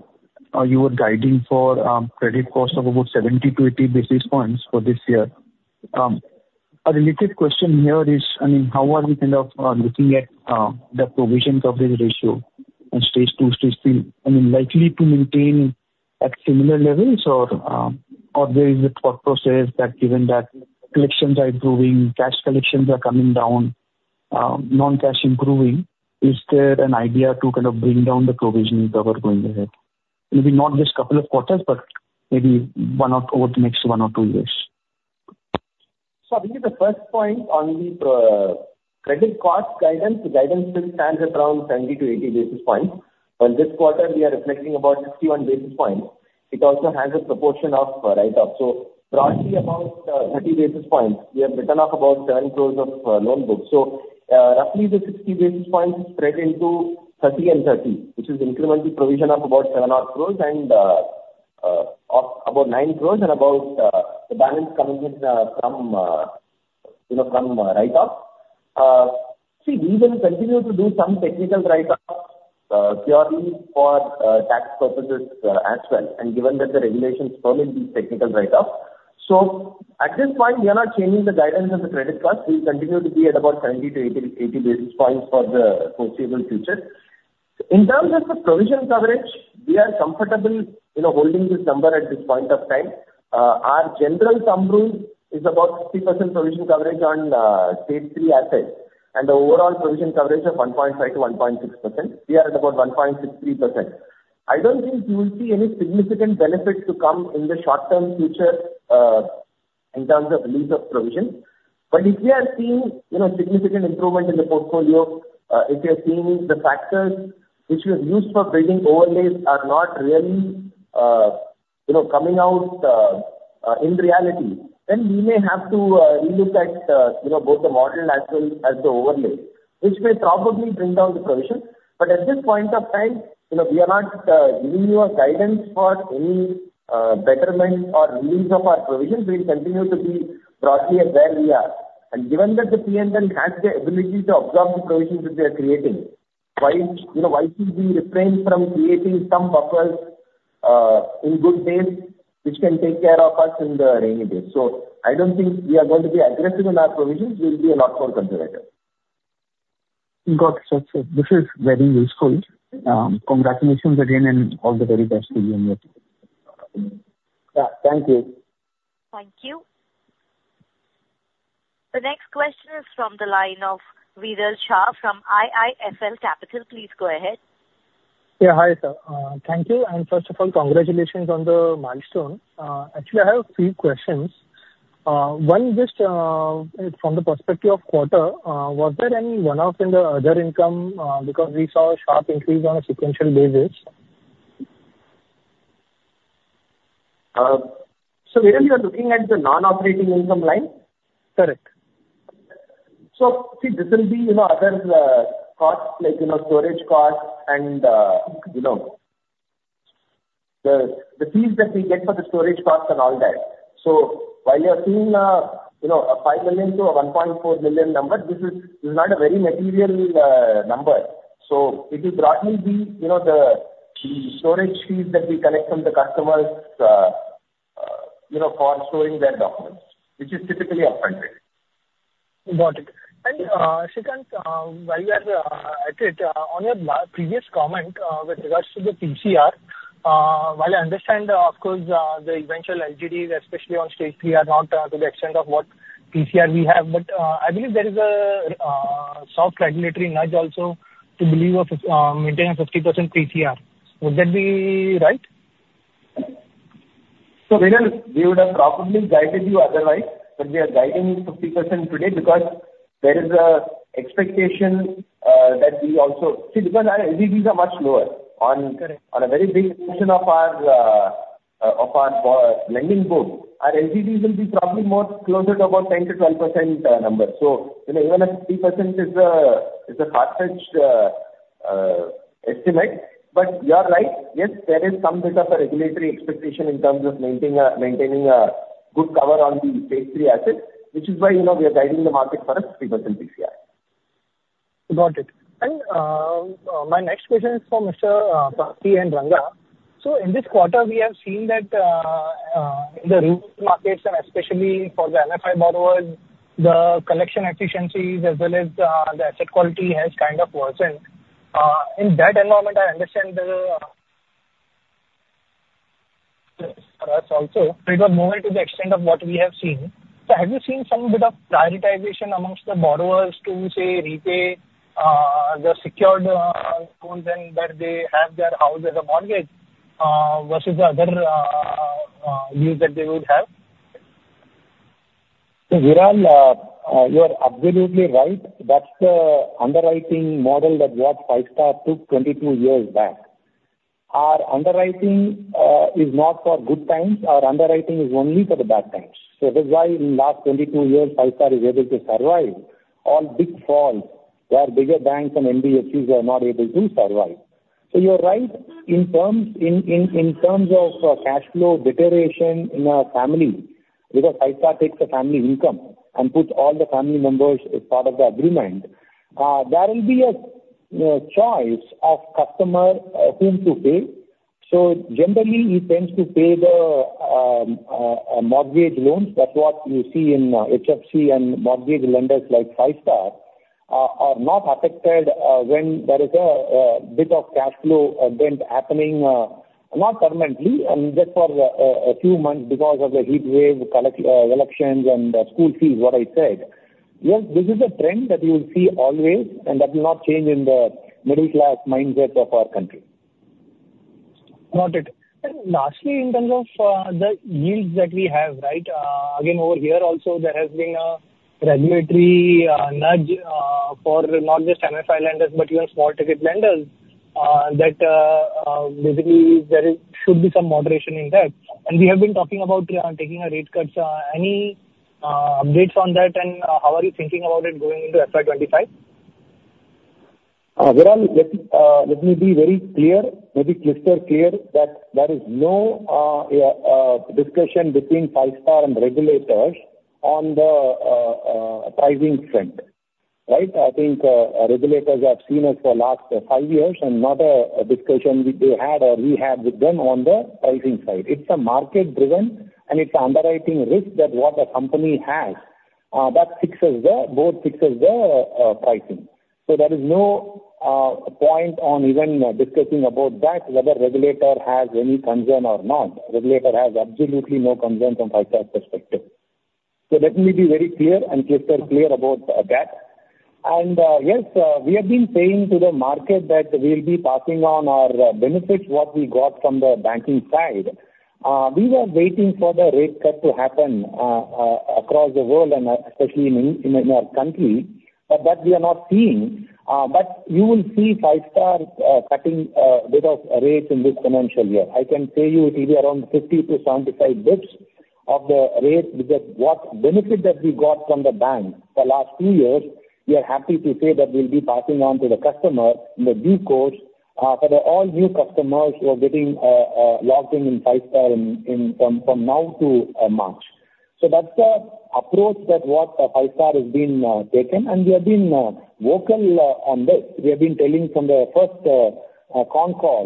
you were guiding for, credit cost of about 70-80 basis points for this year. A related question here is, I mean, how are we kind of, looking at, the provision coverage ratio in Stage Two, Stage Three? I mean, likely to maintain at similar levels or, or there is a thought process that given that collections are improving, cash collections are coming down, non-cash improving, is there an idea to kind of bring down the provision cover going ahead? Maybe not this couple of quarters, but maybe one or over the next one or two years. So I think the first point on the credit cost guidance, the guidance still stands around 70-80 basis points. Well, this quarter, we are reflecting about 61 basis points. It also has a proportion of write-off. So broadly, about 30 basis points, we have written off about 7 crore of loan book. So, roughly the 60 basis points spread into 30 and 30, which is incrementally provision of about 7 crore and of about 9 crore and about the balance coming in from you know, from write-offs. See, we will continue to do some technical write-off purely for tax purposes as well, and given that the regulations permit these technical write-off. So at this point, we are not changing the guidance of the credit cost. We continue to be at about 70-80, 80 basis points for the foreseeable future. In terms of the provision coverage, we are comfortable, you know, holding this number at this point of time. Our general thumb rule is about 60% provision coverage on Stage Three assets and the overall provision coverage of 1.5%-1.6%. We are at about 1.63%. I don't think you will see any significant benefit to come in the short-term future in terms of release of provision. But if we are seeing, you know, significant improvement in the portfolio, if you are seeing the factors which we have used for building overlays are not really, you know, coming out in reality, then we may have to relook at, you know, both the model as well as the overlay, which may probably bring down the provision. But at this point of time, you know, we are not giving you a guidance for any betterment or release of our provision. We will continue to be broadly at where we are. And given that the PNL has the ability to absorb the provisions that we are creating, why, you know, why should we refrain from creating some buffers in good days, which can take care of us in the rainy days? I don't think we are going to be aggressive in our provisions. We'll be a lot more conservative. Got it. Okay. This is very useful. Congratulations again, and all the very best to you. Yeah. Thank you. Thank you. The next question is from the line of Viral Shah from IIFL Securities. Please go ahead. Yeah, hi, sir. Thank you, and first of all, congratulations on the milestone. Actually, I have a few questions. One, just, from the perspective of quarter, was there any one-off in the other income, because we saw a sharp increase on a sequential basis? So, Viral, you're looking at the non-operating income line? Correct. So, see, this will be, you know, other costs, like, you know, storage costs and, you know, the fees that we get for the storage costs and all that. So while you are seeing, you know, a 5 million to a 1.4 million number, this is not a very material number. So it will broadly be, you know, the storage fees that we collect from the customers, you know, for storing their documents, which is typically upfronted. Got it. And, second, while we are at it, on your previous comment, with regards to the PCR, while I understand, of course, the eventual LGDs, especially on stage three, are not to the extent of what PCR we have, but, I believe there is a soft regulatory nudge also to believe of maintaining a 50% PCR. Would that be right? So, Viral, we would have probably guided you otherwise, but we are guiding 50% today because there is an expectation that we also... See, because our LGDs are much lower on- Correct. -on a very big portion of our, of our, lending book. Our LGDs will be probably more closer to about 10%-12%, number. So, you know, even a 50% is a, is a far-fetched, estimate. But you are right. Yes, there is some bit of a regulatory expectation in terms of maintain, maintaining a good cover on the Stage 3 assets, which is why, you know, we are guiding the market for a 50% PCR. Got it. My next question is for Mr. Pathy and Ranga. In this quarter, we have seen that, in the rural markets and especially for the NFI borrowers, the collection efficiencies as well as the asset quality has kind of worsened. In that environment, I understand the for us also, but it was more to the extent of what we have seen. Have you seen some bit of prioritization among the borrowers to, say, repay the secured loans and that they have their house as a mortgage versus the other needs that they would have? So, Viral, you are absolutely right. That's the underwriting model that what Five Star took 22 years back. Our underwriting is not for good times. Our underwriting is only for the bad times. So that is why in last 22 years, Five Star is able to survive on big falls, where bigger banks and NBFCs were not able to survive. So you are right, in terms of cash flow deterioration in a family, because Five Star takes the family income and puts all the family members as part of the agreement, there will be a, you know, choice of customer whom to pay. So generally, he tends to pay the mortgage loans. That's what you see in HDFC and mortgage lenders like Five Star are not affected when there is a bit of cash flow event happening, not permanently and just for a few months because of the heatwave, collections, elections, and school fees, what I said. Yes, this is a trend that you will see always, and that will not change in the middle class mindset of our country. Got it. And lastly, in terms of the yields that we have, right? Again, over here also there has been a regulatory nudge for not just MFI lenders, but even small-ticket lenders that basically there should be some moderation in that. And we have been talking about taking a rate cuts. Any updates on that, and how are you thinking about it going into FY 2025? Viral, let me be very clear, maybe crystal clear, that there is no discussion between Five Star and regulators on the pricing front, right? I think regulators have seen us for last five years, and not a discussion they had or we had with them on the pricing side. It's a market driven, and it's underwriting risk that what a company has that fixes the board fixes the pricing. So there is no point on even discussing about that, whether regulator has any concern or not. Regulator has absolutely no concern from Five Star's perspective. So let me be very clear and crystal clear about that. And yes, we have been saying to the market that we'll be passing on our benefits, what we got from the banking side. We were waiting for the rate cut to happen across the world and especially in our country, but that we are not seeing. But you will see Five Star cutting bit of rates in this financial year. I can tell you it will be around 50-75 basis points of the rates, because what benefit that we got from the bank the last two years, we are happy to say that we'll be passing on to the customer in due course for all new customers who are getting logged in in Five Star from now to March. So that's the approach that what Five Star has been taken. And we have been vocal on this. We have been telling from the first con call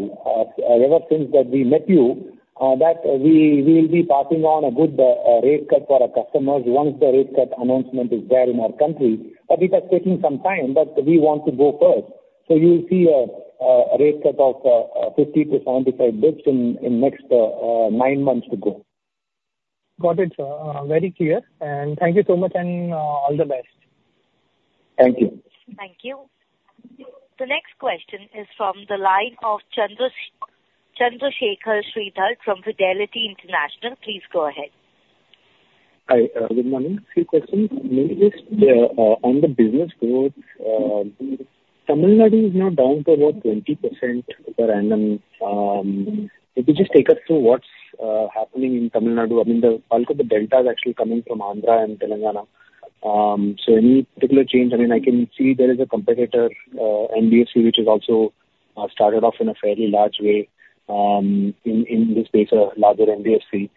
ever since that we met you that we will be passing on a good rate cut for our customers once the rate cut announcement is there in our country. It has taken some time, but we want to go first. You will see a rate cut of 50-75 basis points in next 9 months to go. Got it, sir. Very clear, and thank you so much, and all the best. Thank you. Thank you. The next question is from the line of Chandra, Chandrashekhar Sridhar from Fidelity International. Please go ahead. Hi, good morning. A few questions. Maybe just on the business growth, Tamil Nadu is now down to about 20% over annual. If you just take us through what's happening in Tamil Nadu, I mean, the, although the delta is actually coming from Andhra and Telangana. So any particular change? I mean, I can see there is a competitor, NBFC, which has also started off in a fairly large way, in this space, a larger NBFC.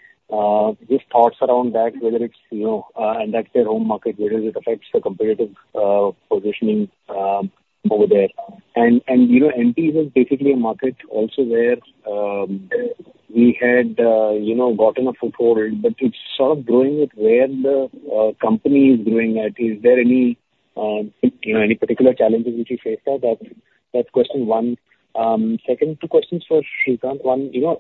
Just thoughts around that, whether it's, you know, and that's their home market, whether it affects the competitive positioning over there. And you know, MP is basically a market also where we had, you know, gotten a foothold, but it's sort of growing at where the company is growing at. Is there any, you know, any particular challenges which you face there? That's, that's question one. Second, two questions for Srikanth. One, you know,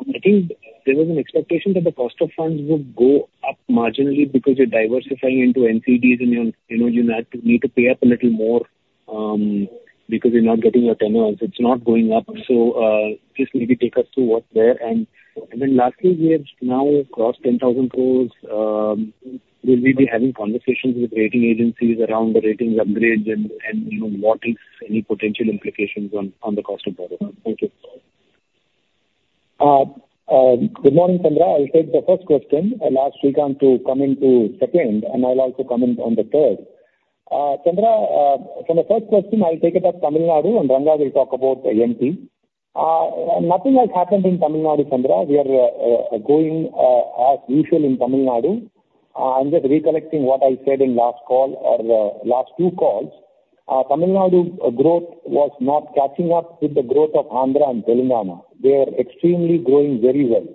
I think there was an expectation that the cost of funds would go up marginally because you're diversifying into NCDs, and, you know, you had to pay up a little more, because you're not getting your tenures. It's not going up. So, just maybe take us through what's there. And, and then lastly, we have now crossed 10,000 crore. Will we be having conversations with rating agencies around the ratings upgrades and, and, you know, what is any potential implications on, on the cost of borrowing? Thank you. Good morning, Chandra. I'll take the first question and ask Srikanth to come into second, and I'll also comment on the third. Chandra, so the first question, I'll take it up Tamil Nadu, and Ranga will talk about MP. Nothing has happened in Tamil Nadu, Chandra. We are going as usual in Tamil Nadu. I'm just recollecting what I said in last call or last two calls. Tamil Nadu growth was not catching up with the growth of Andhra and Telangana. They are extremely growing very well.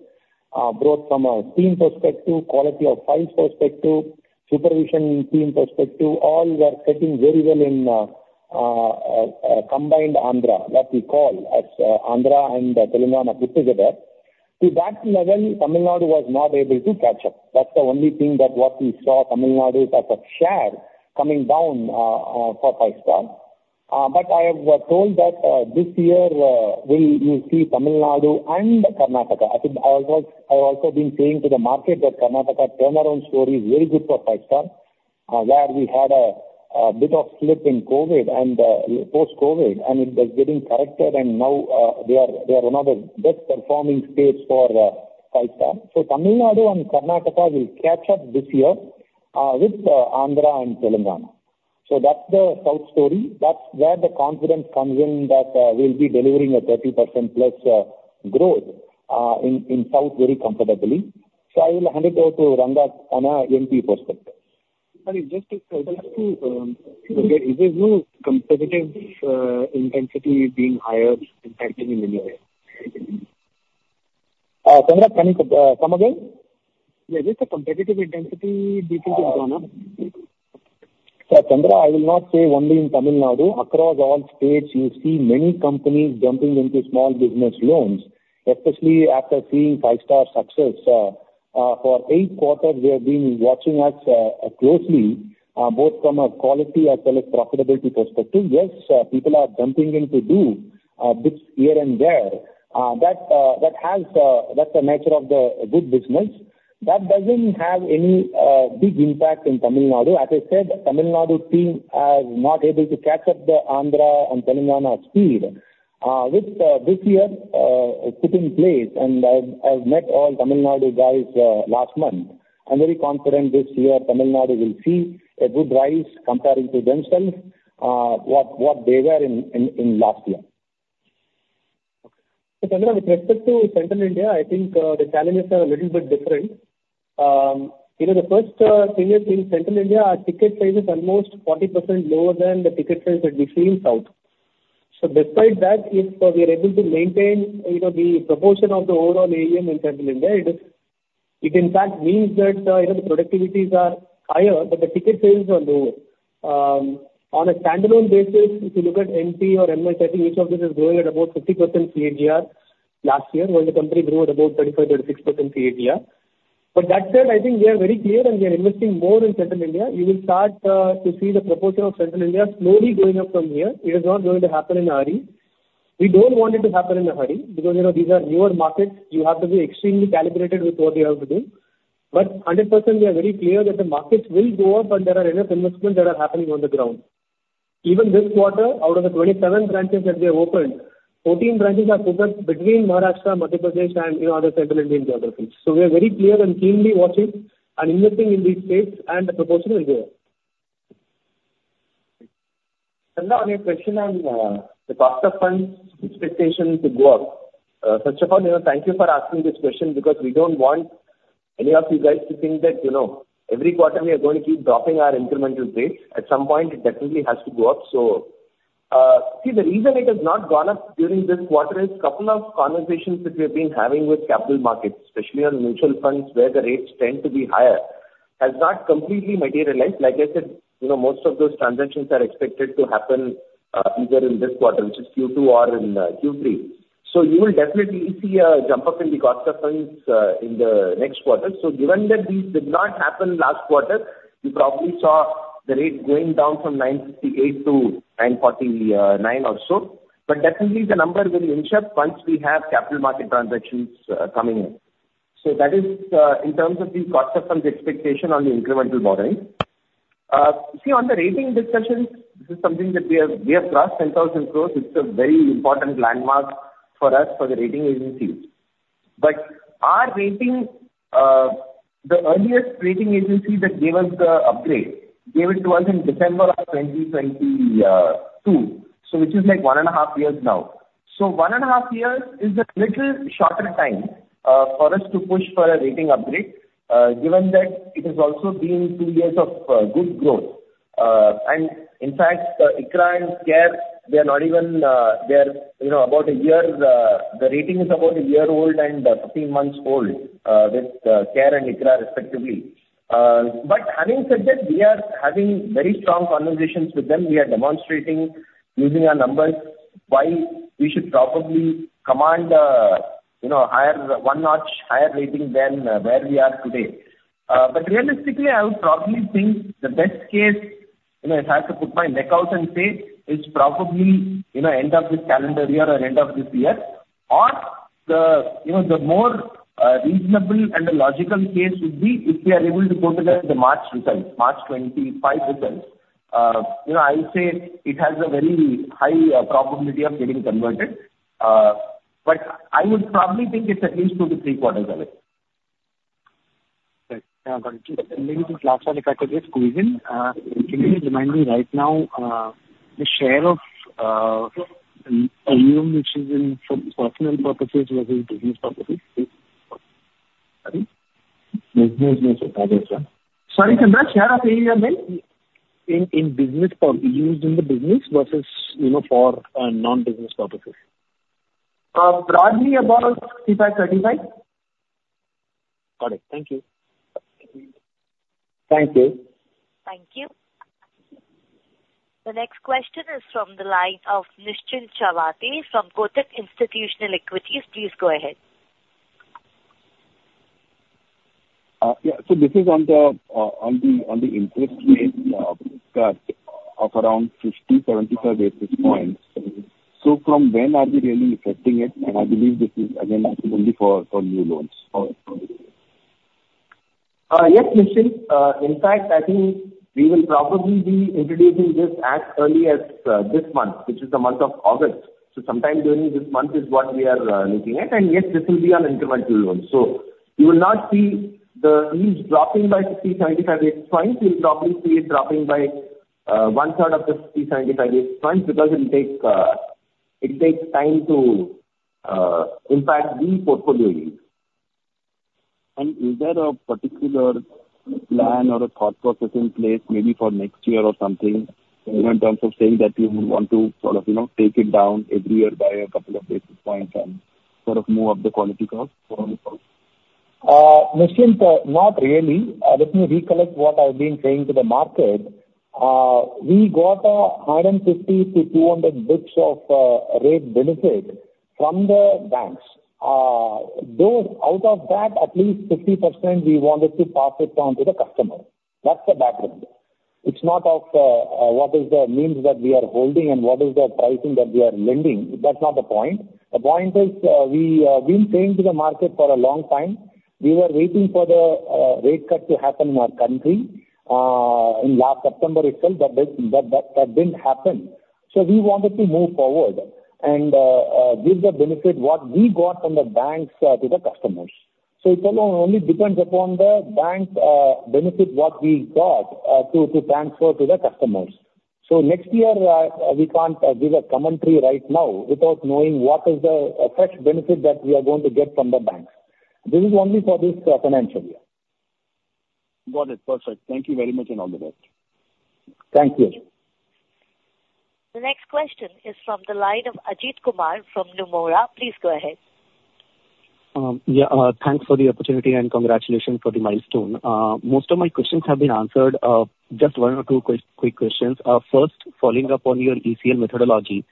Growth from a team perspective, quality of files perspective, supervision team perspective, all were cutting very well in combined Andhra, what we call as Andhra and Telangana put together. To that level, Tamil Nadu was not able to catch up. That's the only thing that what we saw Tamil Nadu as a share coming down, for Five Star. But I have told that, this year, we will see Tamil Nadu and Karnataka. I think I also, I've also been saying to the market that Karnataka turnaround story is very good for Five Star, where we had a bit of slip in COVID and, post-COVID, and it was getting corrected and now, they are one of the best performing states for, Five Star. So Tamil Nadu and Karnataka will catch up this year, with Andhra and Telangana. So that's the South story. That's where the confidence comes in, that, we'll be delivering a 30%+ growth, in South very comfortably. So I will hand it over to Ranga on a MP perspective. Sorry, just to, is there no competitive intensity being higher impacting in any way? Chandra, come again. Yeah, just the competitive intensity between Chandra, I will not say only in Tamil Nadu. Across all states, you see many companies jumping into small business loans, especially after seeing Five Star's success. For eight quarters, they have been watching us closely, both from a quality as well as profitability perspective. Yes, people are jumping in to do bits here and there. That, that has, that's the nature of the good business. That doesn't have any big impact in Tamil Nadu. As I said, Tamil Nadu team are not able to catch up the Andhra and Telangana speed. With this year putting in place, and I've met all Tamil Nadu guys last month. I'm very confident this year Tamil Nadu will see a good rise comparing to themselves, what they were in last year. So, Chandra, with respect to Central India, I think, the challenges are a little bit different. You know, the first thing is, in Central India, our ticket size is almost 40% lower than the ticket size that we see in South. So despite that, if we are able to maintain, you know, the proportion of the overall AUM in Central India, it, it in fact means that, you know, the productivities are higher, but the ticket sales are lower. On a standalone basis, if you look at MP or MH, I think each of this is growing at about 50% CAGR last year, while the company grew at about 35%-36% CAGR. ... But that said, I think we are very clear and we are investing more in Central India. You will start to see the proportion of Central India slowly going up from here. It is not going to happen in a hurry. We don't want it to happen in a hurry, because, you know, these are newer markets. You have to be extremely calibrated with what you have to do. But 100%, we are very clear that the markets will go up, and there are enough investments that are happening on the ground. Even this quarter, out of the 27 branches that we have opened, 14 branches are focused between Maharashtra, Madhya Pradesh, and, you know, other Central Indian geographies. So we are very clear and keenly watching and investing in these states, and the proportion will go up. Chandra, on your question on, the cost of funds expectation to go up. First of all, you know, thank you for asking this question because we don't want any of you guys to think that, you know, every quarter we are going to keep dropping our incremental rates. At some point, it definitely has to go up. So, see, the reason it has not gone up during this quarter is couple of conversations which we've been having with capital markets, especially on mutual funds, where the rates tend to be higher, has not completely materialized. Like I said, you know, most of those transactions are expected to happen, either in this quarter, which is Q2, or in, Q3. So you will definitely see a jump up in the cost of funds, in the next quarter. So given that these did not happen last quarter, you probably saw the rate going down from 9.58 to 9.40, nine or so. But definitely the number will inch up once we have capital market transactions coming in. So that is in terms of the cost of funds expectation on the incremental borrowing. See, on the rating discussions, this is something that we have, we have crossed 10,000 crore. It's a very important landmark for us for the rating agencies. But our rating, the earliest rating agency that gave us the upgrade, gave it to us in December of 2022, so which is, like, one and a half years now. So one and a half years is a little shorter time for us to push for a rating upgrade, given that it has also been two years of good growth. And in fact, ICRA and CARE, you know, the rating is about a year old and 15 months old, with CARE and ICRA respectively. But having said that, we are having very strong conversations with them. We are demonstrating, using our numbers, why we should probably command, you know, a higher, one notch higher rating than where we are today. But realistically, I would probably think the best case, you know, if I have to put my neck out and say, it's probably, you know, end of this calendar year or end of this year, or the, you know, the more reasonable and logical case would be if we are able to go to the March results, March 2025 results. You know, I would say it has a very high probability of getting converted. But I would probably think it's at least 2-3 quarters away. Thank you.... Can you remind me right now, the share of AUM, which is in for personal purposes versus business purposes? Sorry? Business Sorry, Chandra, share of AUM in? In business used in the business versus, you know, for non-business purposes. Broadly about 65-35. Got it. Thank you. Thank you. Thank you. The next question is from the line of Nischint Chawathe from Kotak Institutional Equities. Please go ahead. Yeah, so this is on the interest rate cut of around 50-75 basis points. So from when are we really affecting it? And I believe this is again only for new loans. Yes, Nischint. In fact, I think we will probably be introducing this as early as this month, which is the month of August. Sometime during this month is what we are looking at, and yes, this will be on incremental loans. You will not see the rates dropping by 50-75 basis points. You'll probably see it dropping by one third of the 50-75 basis points, because it'll take it takes time to impact the portfolio rates. Is there a particular plan or a thought process in place maybe for next year or something, you know, in terms of saying that you would want to sort of, you know, take it down every year by a couple of basis points and sort of move up the quality curve for our results? Nischint, not really. Let me recollect what I've been saying to the market. We got 150 to 200 bps of rate benefit from the banks. Those, out of that, at least 50% we wanted to pass it on to the customer. That's the background. It's not of what is the means that we are holding and what is the pricing that we are lending. That's not the point. The point is, we been saying to the market for a long time, we were waiting for the rate cut to happen in our country, in last September itself, but that, but, but that didn't happen. So we wanted to move forward and give the benefit what we got from the banks to the customers. So it only depends upon the bank's benefit, what we got to transfer to the customers. So next year, we can't give a commentary right now without knowing what is the fresh benefit that we are going to get from the banks. This is only for this financial year. Got it. Perfect. Thank you very much, and all the best. Thank you. The next question is from the line of Ajit Kumar from Nomura. Please go ahead. Yeah, thanks for the opportunity, and congratulations for the milestone. Most of my questions have been answered. Just one or two quick questions. First, following up on your ACL methodology.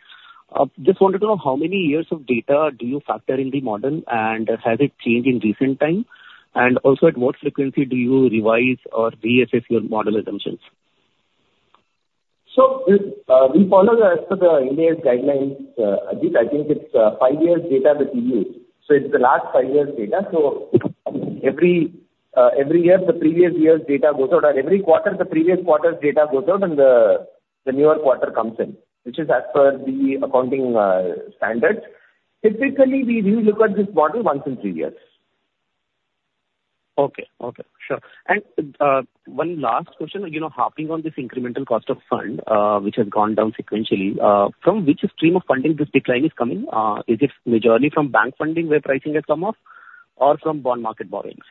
Just wanted to know how many years of data do you factor in the model, and has it changed in recent time? And also, at what frequency do you revise or reassess your model assumptions? So, we follow as per the Indian guidelines, Ajit. I think it's five years data with you, so it's the last five years data. So every year, the previous year's data goes out, or every quarter, the previous quarter's data goes out, and the newer quarter comes in, which is as per the accounting standards. Typically, we relook at this model once in three years. Okay. Okay, sure. And, one last question, you know, harping on this incremental cost of fund, which has gone down sequentially, from which stream of funding this decline is coming? Is it majorly from bank funding, where pricing has come up, or from bond market borrowings?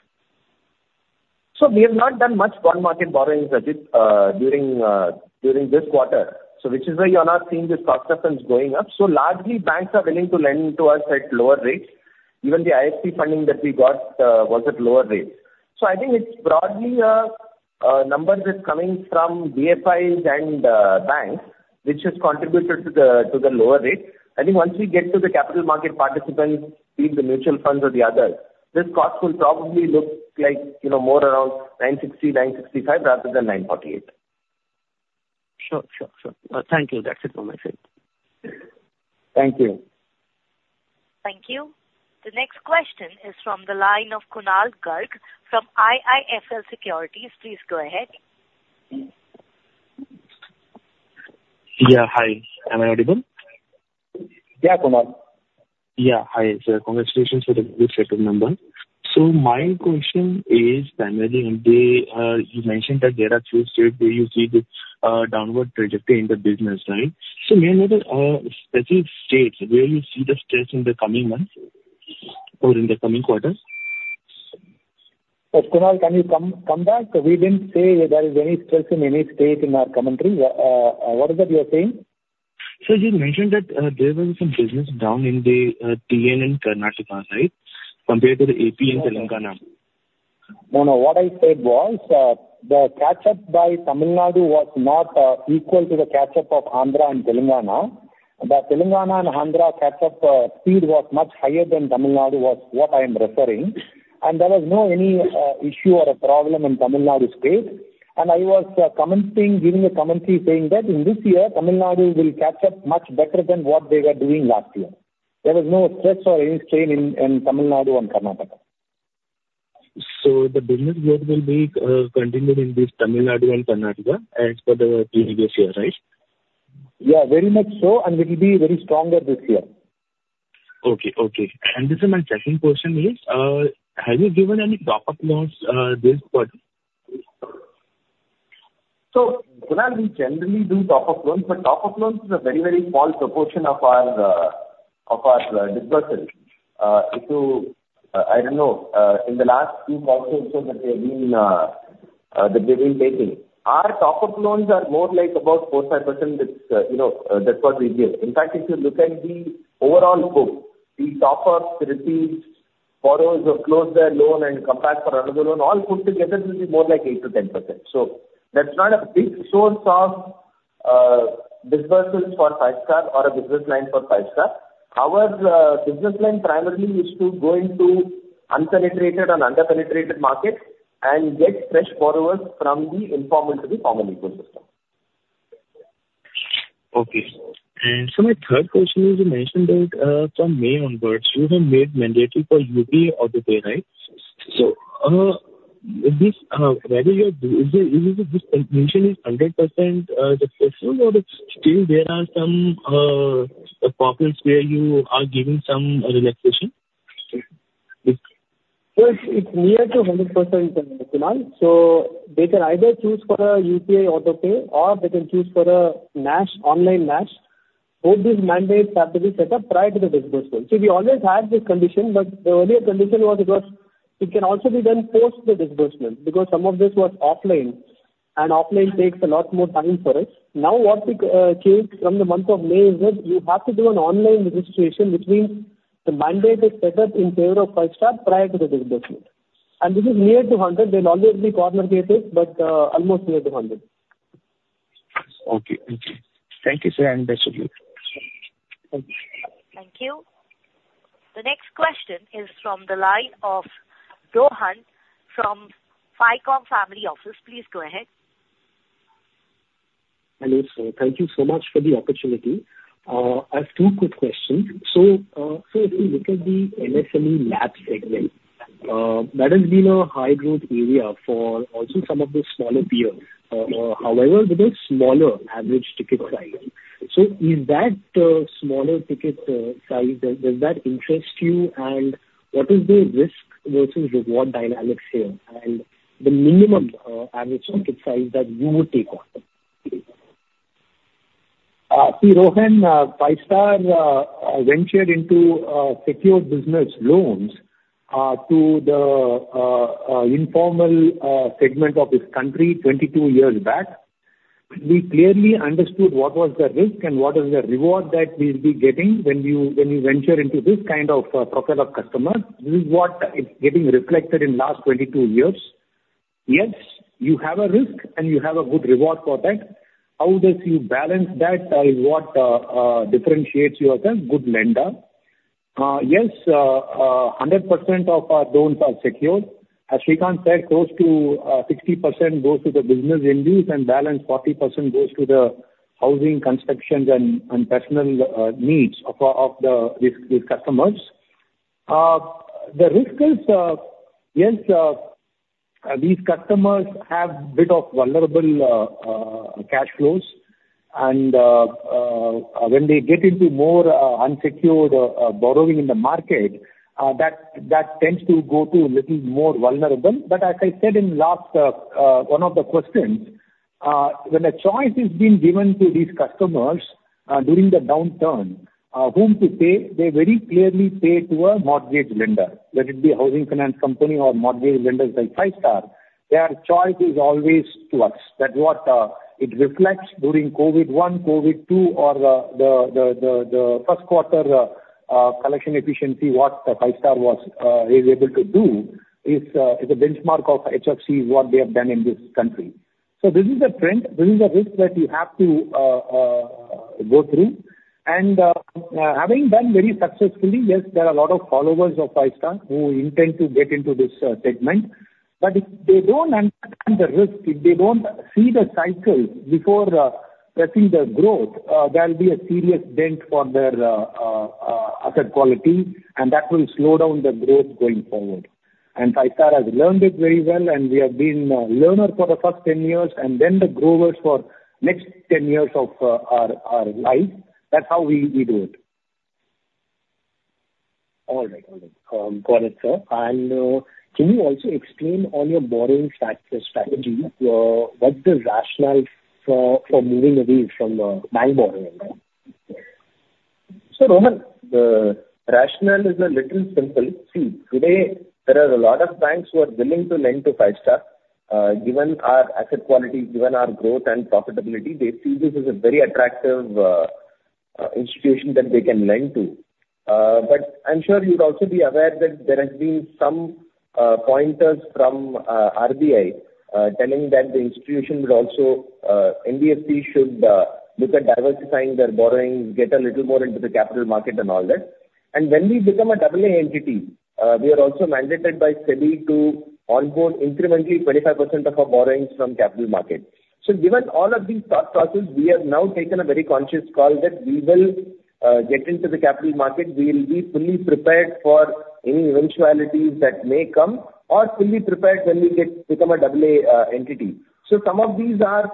So we have not done much bond market borrowings, Ajit, during this quarter, so which is why you are not seeing this cost of funds going up. So largely, banks are willing to lend to us at lower rates. Even the IFC funding that we got was at lower rates. So I think it's broadly numbers is coming from DFIs and banks, which has contributed to the lower rates. I think once we get to the capital market participants, be it the mutual funds or the others, this cost will probably look like, you know, more around 9.60, 9.65, rather than 9.48. Sure, sure, sure. Thank you. That's it from my side. Thank you. Thank you. The next question is from the line of Kunal Garg from IIFL Securities. Please go ahead. Yeah, hi. Am I audible? Yeah, Kunal. Yeah. Hi, sir. Congratulations with a good set of numbers. So my question is, primarily, in the, you mentioned that there are few states where you see this, downward trajectory in the business, right? So may I know the, specific states where you see the stress in the coming months or in the coming quarters? Kunal, can you come back? We didn't say that there is any stress in any state in our commentary. What is that you are saying? Sir, you mentioned that there was some business down in the TN and Karnataka, right, compared to the AP and Telangana? No, no, what I said was, the catch-up by Tamil Nadu was not equal to the catch-up of Andhra and Telangana. The Telangana and Andhra catch-up speed was much higher than Tamil Nadu, was what I am referring, and there was no any issue or a problem in Tamil Nadu state. And I was commenting, giving a commentary saying that in this year, Tamil Nadu will catch up much better than what they were doing last year. There was no stress or any strain in Tamil Nadu and Karnataka. The business here will be continuing in this Tamil Nadu and Karnataka as per the previous year, right? Yeah, very much so, and we will be very stronger this year. Okay, okay. And this is my second question is, have you given any top-up loans this quarter? So Kunal, we generally do top-up loans, but top-up loans is a very, very small proportion of our disbursements. If you don't know, in the last two quarters also that we've been taking, our top-up loans are more like about 4-5%. That's, you know, that's what we give. In fact, if you look at the overall book, the top-up receipts, borrowers who have closed their loan and come back for another loan, all put together, this is more like 8%-10%. So that's not a big source of disbursements for Five Star or a business line for Five Star. Our business line primarily is to go into unpenetrated and underpenetrated markets and get fresh borrowers from the informal to the formal ecosystem. Okay. And so my third question is, you mentioned that, from May onwards, you have made mandatory for UPI Autopay, right? So, this, whether you have, is it, is it this completion is 100% successful, or it's still there are some problems where you are giving some relaxation? Yes, it's near to 100%, Kunal. So they can either choose for a UPI autopay or they can choose for a NACH, online NACH. Both these mandates have to be set up prior to the disbursement. So we always had this condition, but the only condition was it was, it can also be done post the disbursement, because some of this was offline, and offline takes a lot more time for us. Now, what we changed from the month of May is that you have to do an online registration, which means the mandate is set up in favor of Five Star prior to the disbursement. And this is near to 100%. There will always be corner cases, but, almost near to 100%. Okay. Thank you. Thank you, sir, and best wishes. Thank you. Thank you. The next question is from the line of Rohan from Falcon Family Office. Please go ahead. Hello, sir. Thank you so much for the opportunity. I have two quick questions. So, sir, if you look at the MSME loan segment, that has been a high-growth area for also some of the smaller peers, however, with a smaller average ticket size. So is that smaller ticket size, does that interest you? And what is the risk versus reward dynamics here, and the minimum average ticket size that you would take on? See, Rohan, Five Star ventured into secured business loans to the informal segment of this country 22 years back. We clearly understood what was the risk and what is the reward that we'll be getting when you, when you venture into this kind of profile of customer. This is what is getting reflected in last 22 years... Yes, you have a risk and you have a good reward for that. How does you balance that is what differentiates you as a good lender. Yes, a hundred percent of our loans are secure. As Srikanth said, close to 60% goes to the business NBFCs, and balance 40% goes to the housing, constructions, and personal needs of these customers. The risk is, yes, these customers have a bit of vulnerable cash flows, and when they get into more unsecured borrowing in the market, that tends to go to a little more vulnerable. But as I said in the last one of the questions, when a choice is being given to these customers during the downturn whom to pay, they very clearly pay to a mortgage lender, whether it be a housing finance company or mortgage lenders like Five Star, their choice is always to us. That is what it reflects during COVID one, COVID two, or the first quarter collection efficiency. What Five Star was able to do is a benchmark of HFCs, what they have done in this country. So this is a trend, this is a risk that you have to go through. And having done very successfully, yes, there are a lot of followers of Five Star who intend to get into this segment. But if they don't understand the risk, if they don't see the cycle before getting the growth, there will be a serious dent for their asset quality, and that will slow down the growth going forward. And Five Star has learned it very well, and we have been learner for the first 10 years, and then the growers for next 10 years of our life. That's how we, we do it. All right. All right. Got it, sir. And, can you also explain on your borrowing strategy, what the rationale for moving away from bank borrowing then? So, Rohan, the rationale is a little simple. See, today there are a lot of banks who are willing to lend to Five Star. Given our asset quality, given our growth and profitability, they see this as a very attractive institution that they can lend to. But I'm sure you'd also be aware that there has been some pointers from RBI, telling that the institution would also NBFC should look at diversifying their borrowings, get a little more into the capital market and all that. And when we become a AA entity, we are also mandated by SEBI to onboard incrementally 25% of our borrowings from capital market. So given all of these processes, we have now taken a very conscious call that we will get into the capital market. We will be fully prepared for any eventualities that may come, or fully prepared when we get become a AA entity. So some of these are,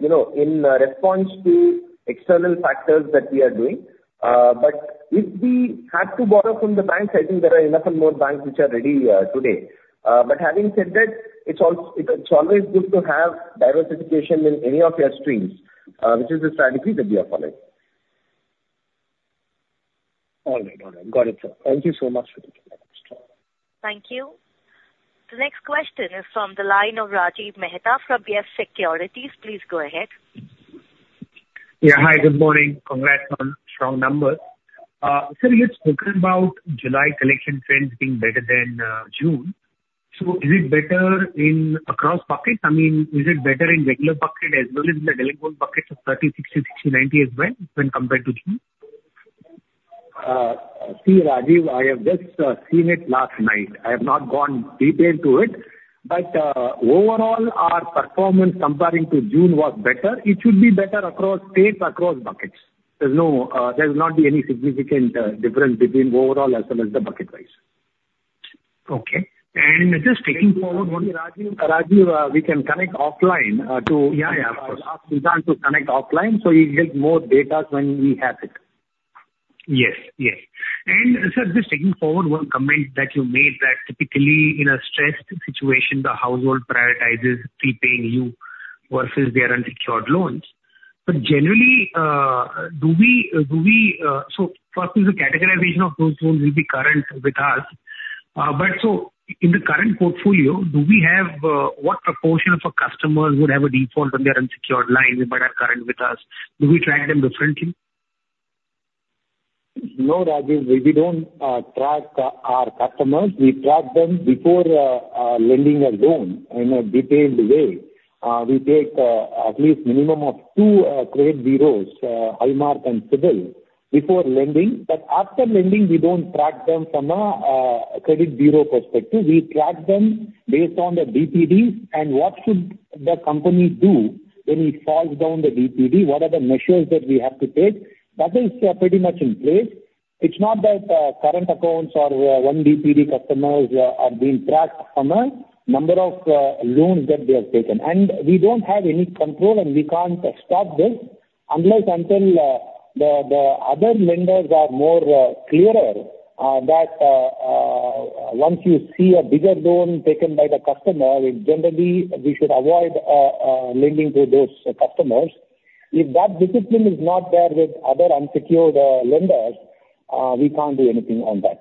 you know, in response to external factors that we are doing. But if we had to borrow from the banks, I think there are enough and more banks which are ready today. But having said that, it's always good to have diversification in any of your streams, which is the strategy that we are following. All right. All right. Got it, sir. Thank you so much for the time. Thank you. The next question is from the line of Rajiv Mehta from YES Securities. Please go ahead. Yeah. Hi, good morning. Congrats on strong numbers. Sir, you had spoken about July collection trends being better than June. So is it better in across buckets? I mean, is it better in regular bucket as well as in the delinquent buckets of 30, 60, 60, 90 as well when compared to June? See, Rajiv, I have just seen it last night. I have not gone deep into it. But overall, our performance comparing to June was better. It should be better across states, across buckets. There's no, there's not be any significant difference between overall as well as the bucket wise. Okay. And just taking forward one- Rajiv, Rajiv, we can connect offline, to- Yeah, yeah. Ask Srikanth to connect offline, so you get more data when we have it. Yes. Yes. And sir, just taking forward one comment that you made, that typically in a stressed situation, the household prioritizes pre-paying you versus their unsecured loans. But generally, do we, do we... So first is the categorization of those loans will be current with us. But so in the current portfolio, do we have, what proportion of our customers would have a default on their unsecured line but are current with us? Do we track them differently? No, Rajiv, we, we don't track our, our customers. We track them before lending a loan in a detailed way. We take at least minimum of two credit bureaus, High Mark and CIBIL, before lending. But after lending, we don't track them from a credit bureau perspective. We track them based on the DPD and what should the company do when it falls down the DPD? What are the measures that we have to take? That is pretty much in place. It's not that current accounts or one DPD customers are being tracked on a number of loans that they have taken. And we don't have any control, and we can't stop this unless until the other lenders are more clearer that once you see a bigger loan taken by the customer, we generally we should avoid lending to those customers. If that discipline is not there with other unsecured lenders, we can't do anything on that.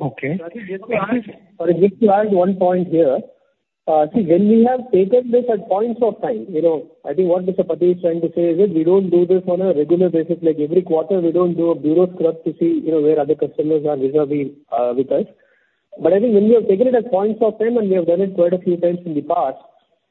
Okay. Just to add, sorry, just to add one point here.... See, when we have taken this at points of time, you know, I think what Mr. Pathy is trying to say is that we don't do this on a regular basis. Like, every quarter, we don't do a bureau scrub to see, you know, where other customers are vis-a-vis with us. I think when we have taken it at points of time, and we have done it quite a few times in the past,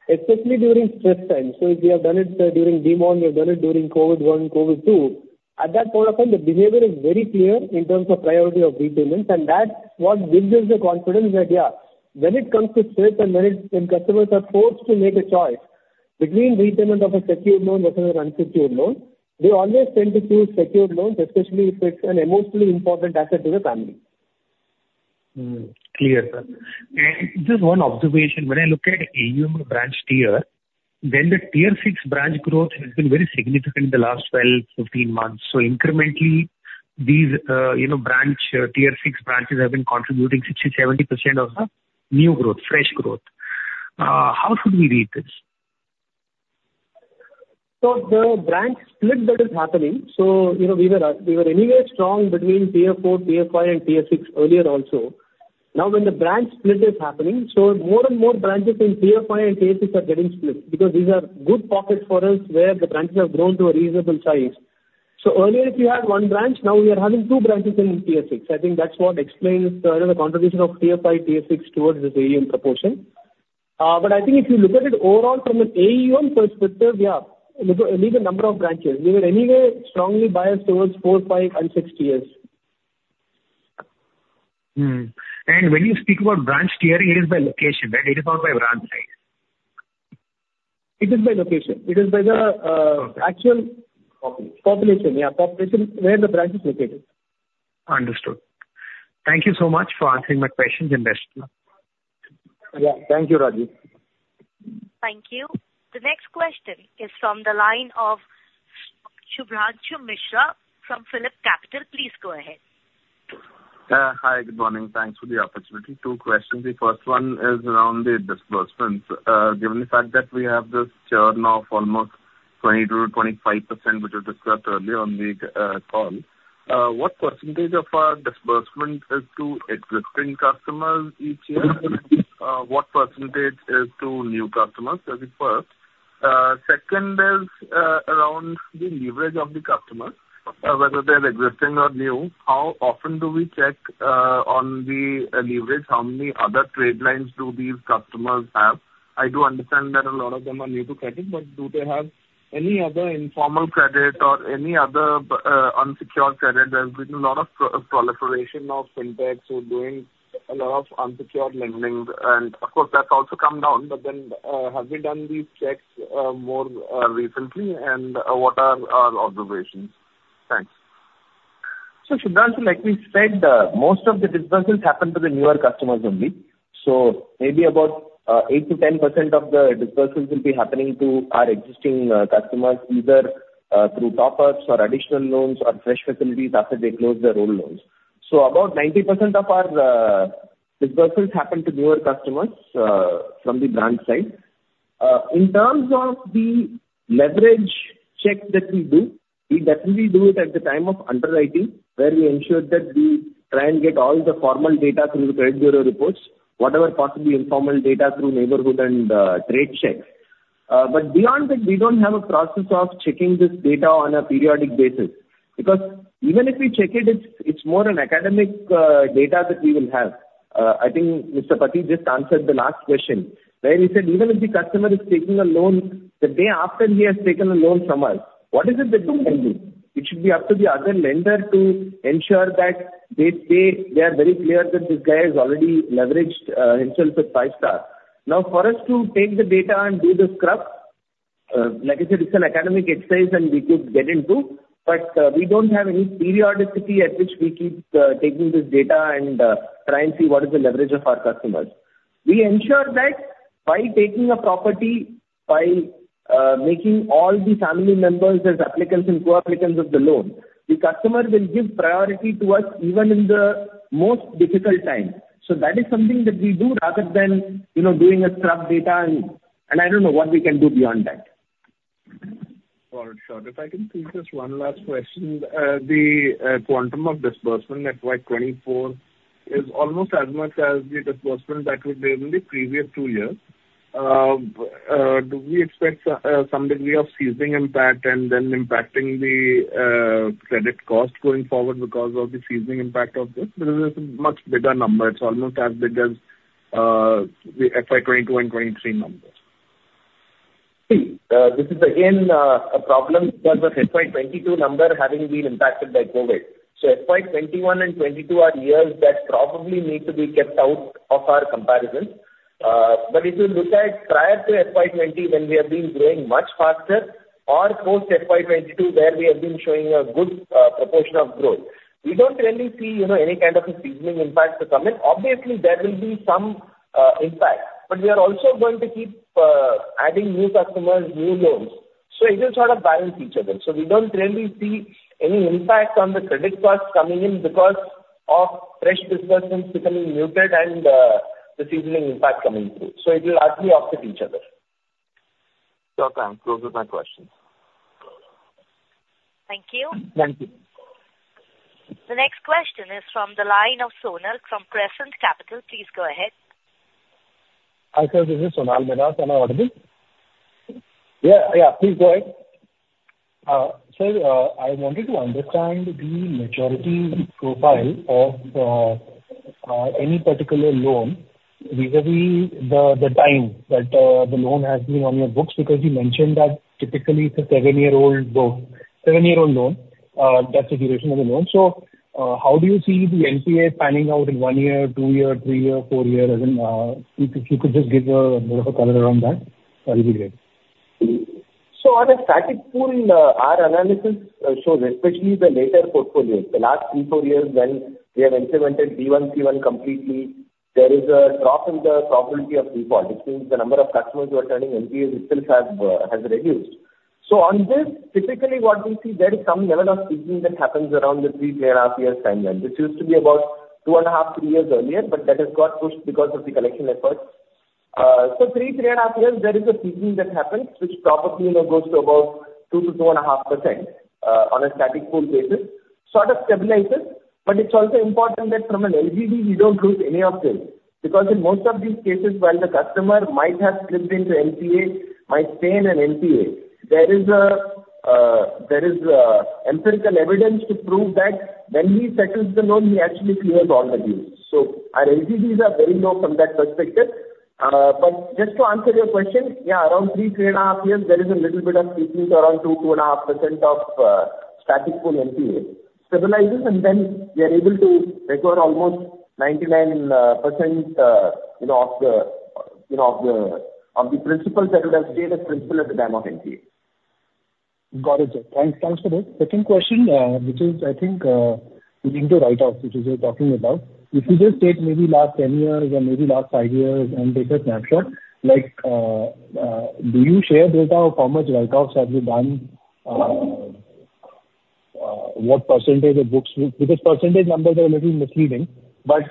especially during stress times, so if we have done it during demonetization, we've done it during COVID-one, COVID-two, at that point of time, the behavior is very clear in terms of priority of repayments, and that's what gives us the confidence that, yeah, when it comes to stress and when it, when customers are forced to make a choice between repayment of a secured loan versus an unsecured loan, they always tend to choose secured loans, especially if it's an emotionally important asset to the family. Hmm. Clear, sir. And just one observation: when I look at AUM branch tier, then the Tier 6 branch growth has been very significant in the last 12-15 months. So incrementally, these, you know, branch, Tier 6 branches have been contributing 60%-70% of the new growth, fresh growth. How should we read this? So the branch split that is happening, so, you know, we were, we were anyway strong between Tier 4, Tier 5, and Tier 6 earlier also. Now, when the branch split is happening, so more and more branches in Tier 5 and Tier 6 are getting split, because these are good pockets for us, where the branches have grown to a reasonable size. So earlier, if you had 1 branch, now we are having 2 branches in Tier 6. I think that's what explains the contribution of Tier 5, Tier 6 towards this AUM proportion. But I think if you look at it overall from an AUM perspective, yeah, look at, look at the number of branches. We were anyway strongly biased towards 4, 5, and 6 tiers. Hmm. When you speak about branch tiering, it is by location, right? It is not by branch size. It is by location. It is by the, Okay. -actual... Population. Population, yeah, population where the branch is located. Understood. Thank you so much for answering my questions, Lakshipathy. Yeah. Thank you, Rajiv. Thank you. The next question is from the line of Shubhanshu Mishra from PhillipCapital. Please go ahead. Hi, good morning. Thanks for the opportunity. Two questions. The first one is around the disbursements. Given the fact that we have this churn of almost 20%-25%, which you discussed earlier on the call, what percentage of our disbursement is to existing customers each year? What percentage is to new customers? That's the first. Second is around the leverage of the customer, whether they're existing or new, how often do we check on the leverage? How many other trade lines do these customers have? I do understand that a lot of them are new to credit, but do they have any other informal credit or any other unsecured credit? There's been a lot of proliferation of fintechs who are doing a lot of unsecured lending. Of course, that's also come down, but then, have we done these checks more recently, and what are our observations? Thanks. So, Shubhanshu, like we said, most of the disbursements happen to the newer customers only. So maybe about 8%-10% of the disbursements will be happening to our existing customers, either through top-ups or additional loans or fresh facilities after they close their old loans. So about 90% of our disbursements happen to newer customers from the brand side. In terms of the leverage check that we do, we definitely do it at the time of underwriting, where we ensure that we try and get all the formal data through the credit bureau reports, whatever possible informal data through neighborhood and trade checks. But beyond that, we don't have a process of checking this data on a periodic basis, because even if we check it, it's more an academic data that we will have. I think Mr. Pathy just answered the last question, where he said even if the customer is taking a loan, the day after he has taken a loan from us, what is it that we can do? It should be up to the other lender to ensure that they, they, they are very clear that this guy has already leveraged himself with Five Star. Now, for us to take the data and do the scrub, like I said, it's an academic exercise, and we could get into, but, we don't have any periodicity at which we keep, taking this data and, try and see what is the leverage of our customers. We ensure that by taking a property, by making all the family members as applicants and co-applicants of the loan, the customer will give priority to us even in the most difficult time. So that is something that we do rather than, you know, doing a scrub data, and I don't know what we can do beyond that. All right, sure. If I can please, just one last question. The quantum of disbursement at FY24 is almost as much as the disbursement that was there in the previous two years. Do we expect some degree of seasoning impact and then impacting the credit cost going forward because of the seasoning impact of this? Because it's a much bigger number. It's almost as big as the FY22 and FY23 numbers. This is again a problem because of FY 2022 number having been impacted by COVID. So FY 2021 and 2022 are years that probably need to be kept out of our comparison. But if you look at prior to FY 2020, when we have been growing much faster or post FY 2022, where we have been showing a good proportion of growth, we don't really see, you know, any kind of a seasoning impact to come in. Obviously, there will be some impact, but we are also going to keep adding new customers, new loans, so it will sort of balance each other. So we don't really see any impact on the credit cost coming in because of fresh disbursements becoming muted and the seasoning impact coming through, so it will largely offset each other. Okay. Those are my questions.... Thank you. Thank you. The next question is from the line of Sonal from Prescient Capital. Please go ahead. Hi, sir, this is Sonal Mehta. Am I audible? Yeah, yeah, please go ahead. Sir, I wanted to understand the maturity profile of any particular loan vis-a-vis the time that the loan has been on your books because you mentioned that typically it's a seven-year-old loan, seven-year-old loan, that's the duration of the loan. So, how do you see the NPA panning out in 1 year, 2 year, 3 year, 4 year? As in, if you could just give a bit of a color around that, that'll be great. So on a static pool, our analysis shows especially the later portfolios, the last 3, 4 years when we have implemented Uncertain completely, there is a drop in the probability of default. It means the number of customers who are turning NPAs itself has, has reduced. So on this, typically what we see there is some level of seasoning that happens around the 3, 3.5-year timeline. This used to be about 2.5, 3 years earlier, but that has got pushed because of the collection efforts. So 3, 3.5 years, there is a seasoning that happens, which probably, you know, goes to about 2%-2.5%, on a static pool basis, sort of stabilizes. But it's also important that from an LGD, we don't lose any of this, because in most of these cases, while the customer might have slipped into NPA, might stay in an NPA, there is empirical evidence to prove that when he settles the loan, he actually clears all the dues. So our LGDs are very low from that perspective. But just to answer your question, yeah, around 3-3.5 years, there is a little bit of seasoning, so around 2-2.5% of static pool NPA. Stabilizes, and then we are able to recover almost 99%, you know, of the principal that would have stayed as principal at the time of NPA. Got it, sir. Thanks. Thanks for that. Second question, which is, I think, relating to write-offs, which you were talking about. If you just take maybe last 10 years or maybe last 5 years and take a snapshot, like, do you share data of how much write-offs have you done? What percentage of books with... Because percentage numbers are a little misleading, but,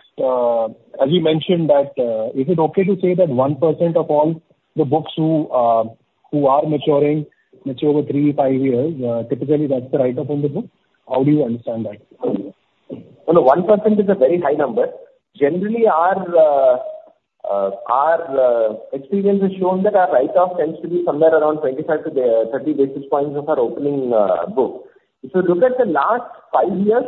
as you mentioned that, is it okay to say that 1% of all the books who, who are maturing, mature over 3, 5 years, typically that's the write-off in the book? How do you understand that? No, the 1% is a very high number. Generally, our experience has shown that our write-off tends to be somewhere around 25-30 basis points of our opening book. If you look at the last 5 years,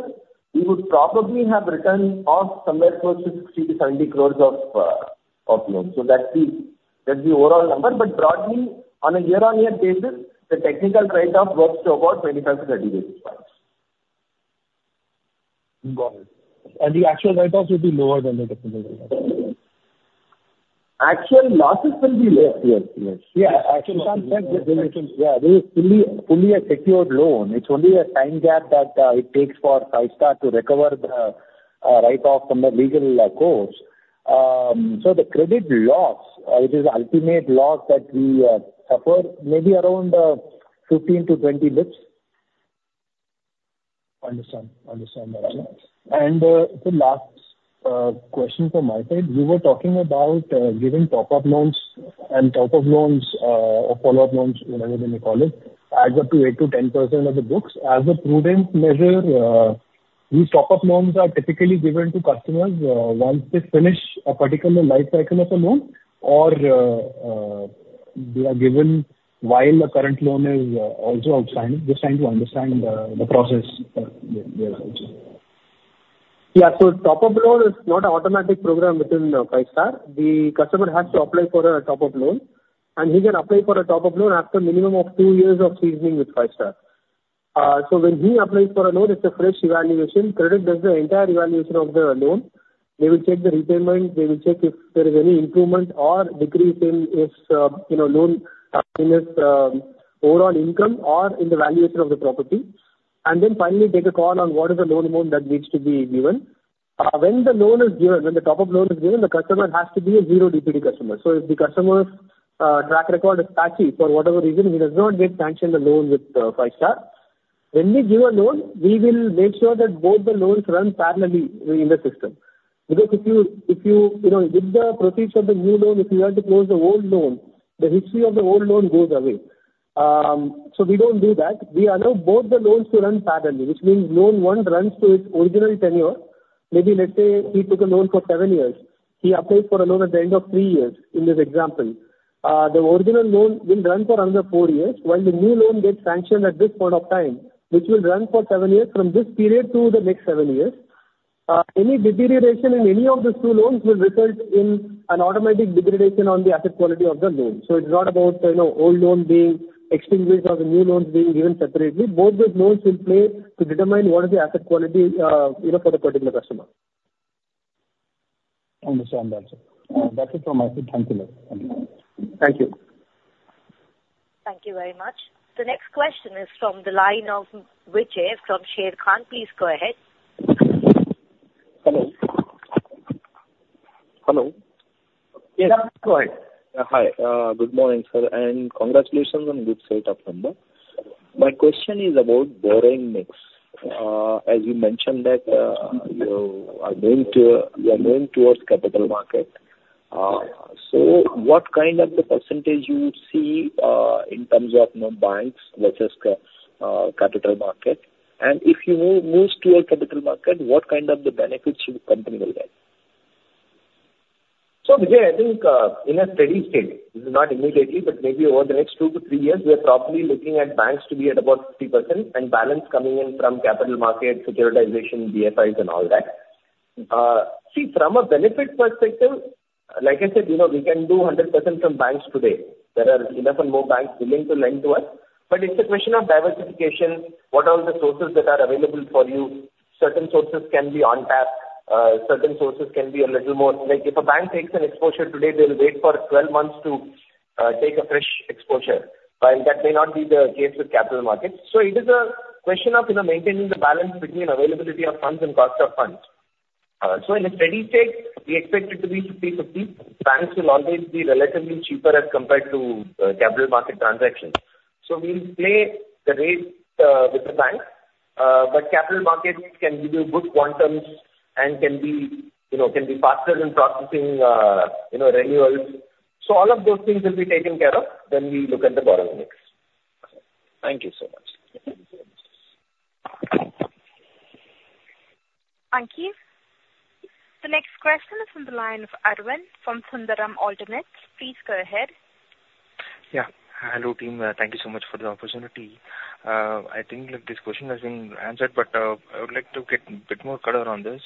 we would probably have written off somewhere close to 60 crore-70 crore of loans. So that's the overall number. But broadly, on a year-on-year basis, the technical write-off works to about 25-30 basis points. Got it. And the actual write-offs will be lower than the technical write-offs? Actual losses will be lower. Yes, yes. Yeah, Actually, yeah, this is fully, fully a secured loan. It's only a time gap that it takes for Five Star to recover the write-off from the legal course. So the credit loss, it is ultimate loss that we suffer maybe around 15-20 basis points. Understand. Understand that. Got it. The last question from my side, you were talking about giving top-up loans and top-up loans or follow-up loans, whatever you may call it, adds up to 8%-10% of the books. As a prudent measure, these top-up loans are typically given to customers once they finish a particular life cycle of the loan, or they are given while the current loan is also outstanding? Just trying to understand the process there also. Yeah. So top-up loan is not an automatic program within Five Star. The customer has to apply for a top-up loan, and he can apply for a top-up loan after minimum of two years of seasoning with Five Star. So when he applies for a loan, it's a fresh evaluation. Credit does the entire evaluation of the loan. They will check the repayment. They will check if there is any improvement or decrease in his you know loan in his overall income or in the valuation of the property. And then finally take a call on what is the loan amount that needs to be given. When the loan is given, when the top-up loan is given, the customer has to be a zero DPD customer. So if the customer's track record is patchy for whatever reason, he does not get sanctioned the loan with Five-Star. When we give a loan, we will make sure that both the loans run parallelly in the system. Because if you, if you, you know, with the proceeds of the new loan, if you want to close the old loan, the history of the old loan goes away. So we don't do that. We allow both the loans to run parallelly, which means Loan One runs to its original tenure. Maybe let's say he took a loan for seven years. He applies for a loan at the end of three years, in this example. The original loan will run for another four years, while the new loan gets sanctioned at this point of time, which will run for seven years from this period to the next seven years. Any deterioration in any of these two loans will result in an automatic degradation on the asset quality of the loan. So it's not about, you know, old loan being extinguished or the new loans being given separately. Both the loans will play to determine what is the asset quality, you know, for the particular customer. Understand that, sir. That's it from my side. Thank you very much. Thank you. Thank you very much. The next question is from the line of Vijay from Sharekhan. Please go ahead. Hello? Hello. Yes, go ahead. Hi. Good morning, sir, and congratulations on good set of numbers. My question is about borrowing mix. As you mentioned that, you are going to, you are going towards capital market.... So what kind of the percentage you see in terms of, you know, banks versus capital market? And if you move to a capital market, what kind of the benefits your company will get? Vijay, I think, in a steady state, this is not immediately, but maybe over the next 2-3 years, we are probably looking at banks to be at about 50%, and balance coming in from capital markets, securitization, DFIs, and all that. See, from a benefit perspective, like I said, you know, we can do 100% from banks today. There are enough and more banks willing to lend to us. But it's a question of diversification. What are the sources that are available for you? Certain sources can be on tap, certain sources can be a little more—like, if a bank takes an exposure today, they will wait for 12 months to take a fresh exposure, while that may not be the case with capital markets. So it is a question of, you know, maintaining the balance between availability of funds and cost of funds. So in a steady state, we expect it to be 50/50. Banks will always be relatively cheaper as compared to capital market transactions. So we'll play the rates with the banks, but capital markets can give you good quantums and can be, you know, can be faster in processing renewals. So all of those things will be taken care of when we look at the borrowing mix. Thank you so much. Thank you. The next question is from the line of Arvind, from Sundaram Alternates. Please go ahead. Yeah. Hello, team. Thank you so much for the opportunity. I think that this question has been answered, but I would like to get a bit more color on this,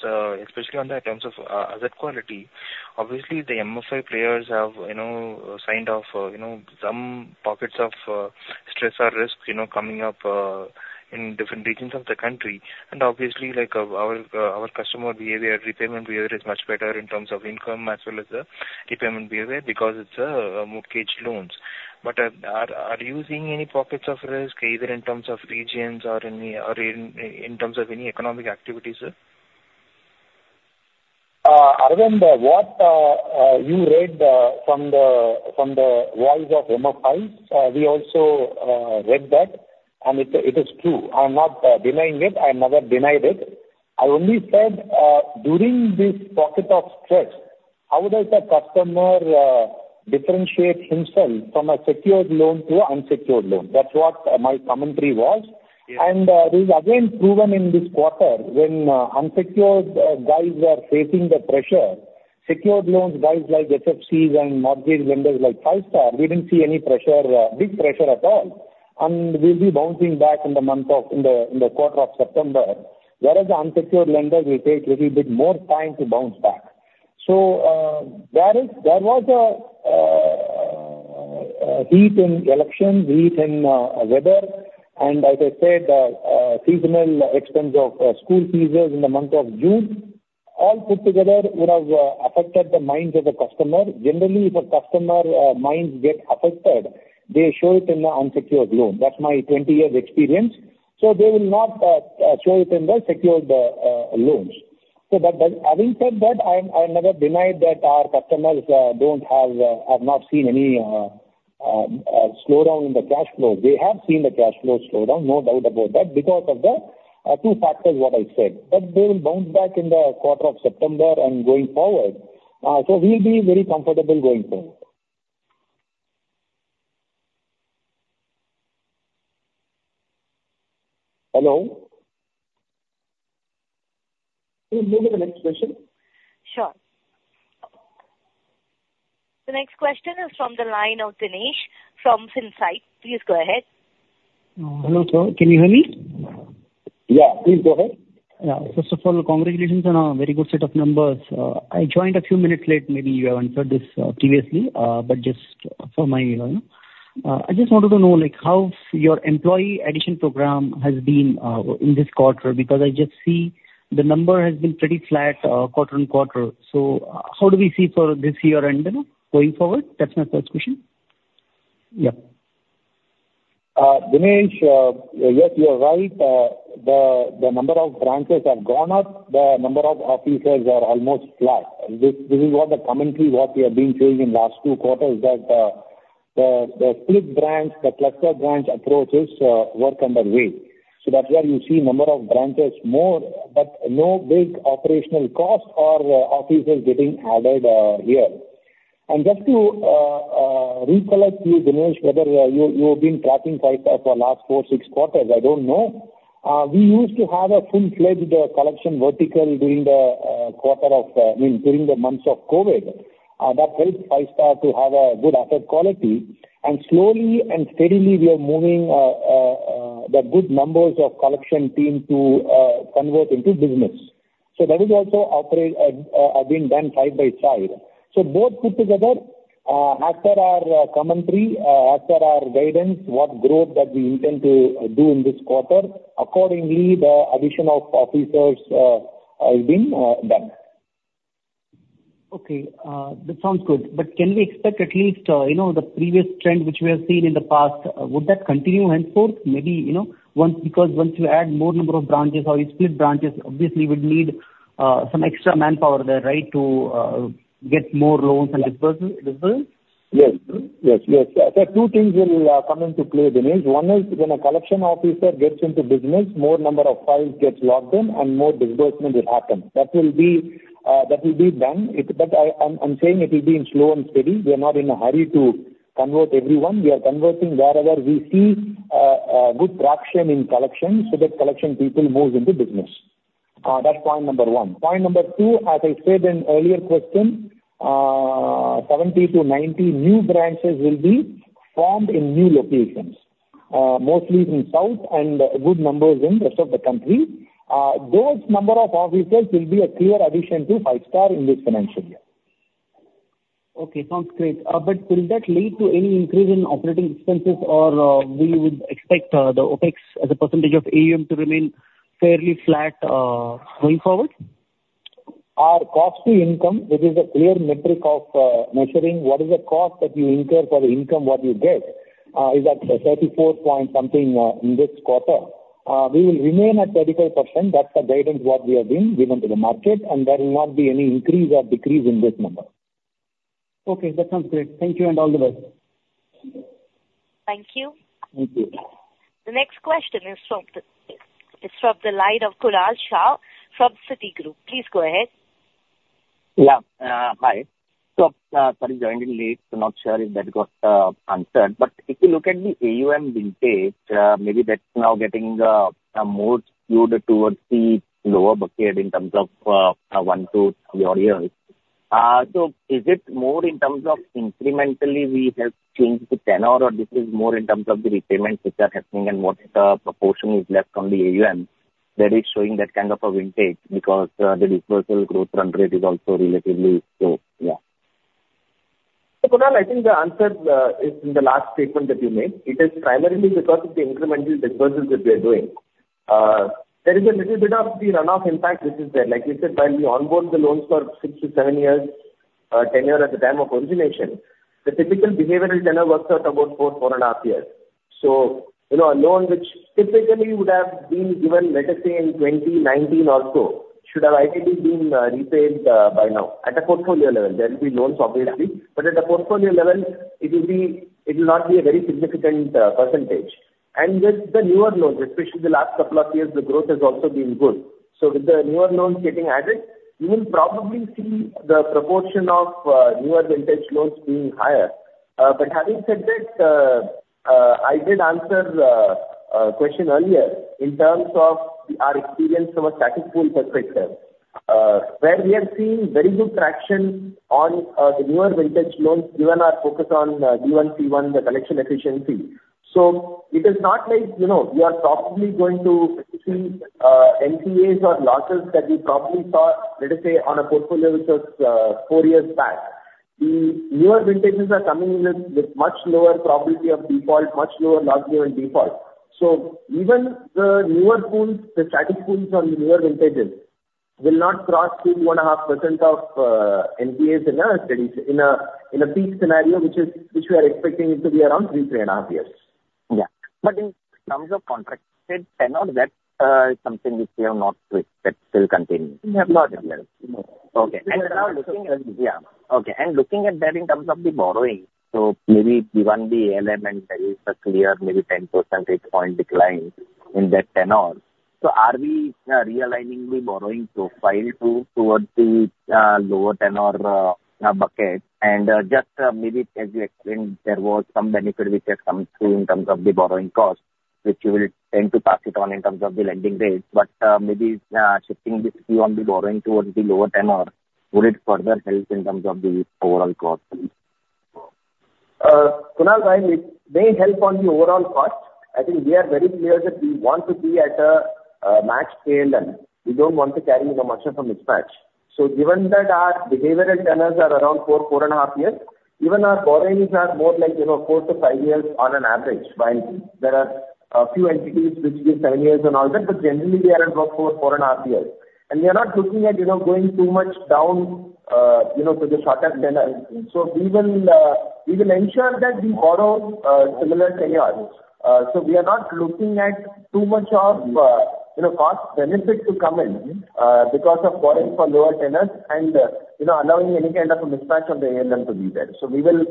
especially in terms of asset quality. Obviously, the MFI players have, you know, signed off, you know, some pockets of stress or risk, you know, coming up in different regions of the country. And obviously, like, our customer behavior, repayment behavior, is much better in terms of income as well as the repayment behavior, because it's mortgage loans. But are you seeing any pockets of risk, either in terms of regions or in terms of any economic activities, sir? Arvind, what you read from the, from the voice of MFIs, we also read that, and it's, it is true. I'm not denying it. I never denied it. I only said during this pocket of stress, how does a customer differentiate himself from a secured loan to unsecured loan? That's what my commentary was. Yeah. It is again proven in this quarter, when unsecured guys were facing the pressure, secured loans guys like FFCs and mortgage lenders like Five Star, we didn't see any pressure, big pressure at all. And we'll be bouncing back in the month of, in the quarter of September, whereas the unsecured lenders will take little bit more time to bounce back. So, there was a heat in elections, heat in weather, and like I said, seasonal expense of school fees in the month of June. All put together, it has affected the minds of the customer. Generally, if a customer minds get affected, they show it in the unsecured loan. That's my 20 years experience. So they will not show it in the secured loans. So, but that, having said that, I never denied that our customers have seen any slowdown in the cash flows. They have seen the cash flow slowdown, no doubt about that, because of the two factors what I said. But they will bounce back in the quarter of September and going forward. So we'll be very comfortable going forward. Hello? Can you move to the next question? Sure. The next question is from the line of Dinesh from Finsight. Please go ahead. Hello, sir. Can you hear me? Yeah. Please go ahead. Yeah. First of all, congratulations on a very good set of numbers. I joined a few minutes late. Maybe you have answered this previously, but just for my... I just wanted to know, like, how your employee addition program has been in this quarter, because I just see the number has been pretty flat quarter and quarter. So how do we see for this year end, you know, going forward? That's my first question. Yeah. Dinesh, yes, you are right. The number of branches have gone up. The number of officers are almost flat. This is what the commentary, what we have been saying in last two quarters, that the split branch, the cluster branch approaches work on their way. So that's where you see number of branches more, but no big operational costs or officers getting added here. And just to recollect you, Dinesh, whether you've been tracking Five Star for last four, six quarters, I don't know. We used to have a full-fledged collection vertical during the quarter of, I mean, during the months of COVID. That helped Five Star to have a good asset quality, and slowly and steadily we are moving the good numbers of collection team to convert into business. So that is also operate being done side by side. So both put together, as per our commentary, as per our guidance, what growth that we intend to do in this quarter, accordingly, the addition of officers is being done. Okay. That sounds good. But can we expect at least, you know, the previous trend which we have seen in the past, would that continue henceforth? Maybe, you know, because once you add more number of branches or you split branches, obviously would need some extra manpower there, right? To get more loans and disbursals.... Yes. Yes, yes. So two things will come into play, Dinesh. One is when a collection officer gets into business, more number of files gets logged in and more disbursement will happen. That will be done. But I'm saying it will be in slow and steady. We are not in a hurry to convert everyone. We are converting wherever we see a good traction in collection, so that collection people move into business. That's point number one. Point number two, as I said in earlier question, 70-90 new branches will be formed in new locations, mostly in South and good numbers in rest of the country. Those number of officers will be a clear addition to Five Star in this financial year. Okay, sounds great. But will that lead to any increase in operating expenses or, we would expect, the OpEx as a percentage of AUM to remain fairly flat, going forward? Our cost to income, which is a clear metric of, measuring what is the cost that you incur for the income what you get, is at 34 point something, in this quarter. We will remain at 34%. That's the guidance what we have been given to the market, and there will not be any increase or decrease in this number. Okay, that sounds great. Thank you and all the best. Thank you. Thank you. The next question is from the line of Kunal Shah from Citigroup. Please go ahead. Yeah, hi. So, sorry, joined in late, so not sure if that got answered. But if you look at the AUM vintage, maybe that's now getting more skewed towards the lower bucket in terms of 1-3 odd years. So is it more in terms of incrementally we have changed the tenor, or this is more in terms of the repayments which are happening and what proportion is left on the AUM that is showing that kind of a vintage? Because the disbursal growth run rate is also relatively slow. Yeah. Kunal, I think the answer is in the last statement that you made. It is primarily because of the incremental disbursements that we are doing. There is a little bit of the runoff impact which is there. Like I said, while we onboard the loans for 6-7 years tenure at the time of origination, the typical behavioral tenor works out about 4-4.5 years. You know, a loan which typically would have been given, let us say, in 2019 or so, should have ideally been repaid by now at a portfolio level. There will be loans obviously, but at a portfolio level, it will not be a very significant percentage. And with the newer loans, especially the last couple of years, the growth has also been good. So with the newer loans getting added, you will probably see the proportion of newer vintage loans being higher. But having said that, I did answer a question earlier in terms of our experience from a static pool perspective, where we have seen very good traction on the newer vintage loans, given our focus on D1C1, the collection efficiency. So it is not like, you know, we are probably going to see NPAs or losses that we probably saw, let us say, on a portfolio which was four years back. The newer vintages are coming in with, with much lower probability of default, much lower loss given default. So even the newer pools, the static pools on the newer vintages, will not cross 3, 2.5% of NPAs in a steady in a peak scenario, which we are expecting it to be around 3-3.5 years. Yeah. But in terms of contracted tenor, that is something which we have not with that still continuing. We have not, yes. Okay. And now looking at, yeah. Okay, and looking at that in terms of the borrowing, so maybe given the ALM and there is a clear maybe 10 percentage point decline in that tenor, so are we realigning the borrowing profile to towards the lower tenor bucket? And just maybe as you explained, there was some benefit which has come through in terms of the borrowing cost, which you will tend to pass it on in terms of the lending rates. But maybe shifting this view on the borrowing towards the lower tenor, would it further help in terms of the overall cost? Kunal, while it may help on the overall cost, I think we are very clear that we want to be at a matched ALM. We don't want to carry too much of a mismatch. So given that our behavioral tenors are around 4-4.5 years, even our borrowings are more like, you know, 4-5 years on an average borrowing. There are a few entities which give 7 years and all that, but generally they are around 4-4.5 years. And we are not looking at, you know, going too much down, you know, to the shorter tenor. So we will ensure that we borrow similar tenures. So we are not looking at too much of, you know, cost benefit to come in, because of borrowing for lower tenors and, you know, allowing any kind of a mismatch on the ALM to be there. So we will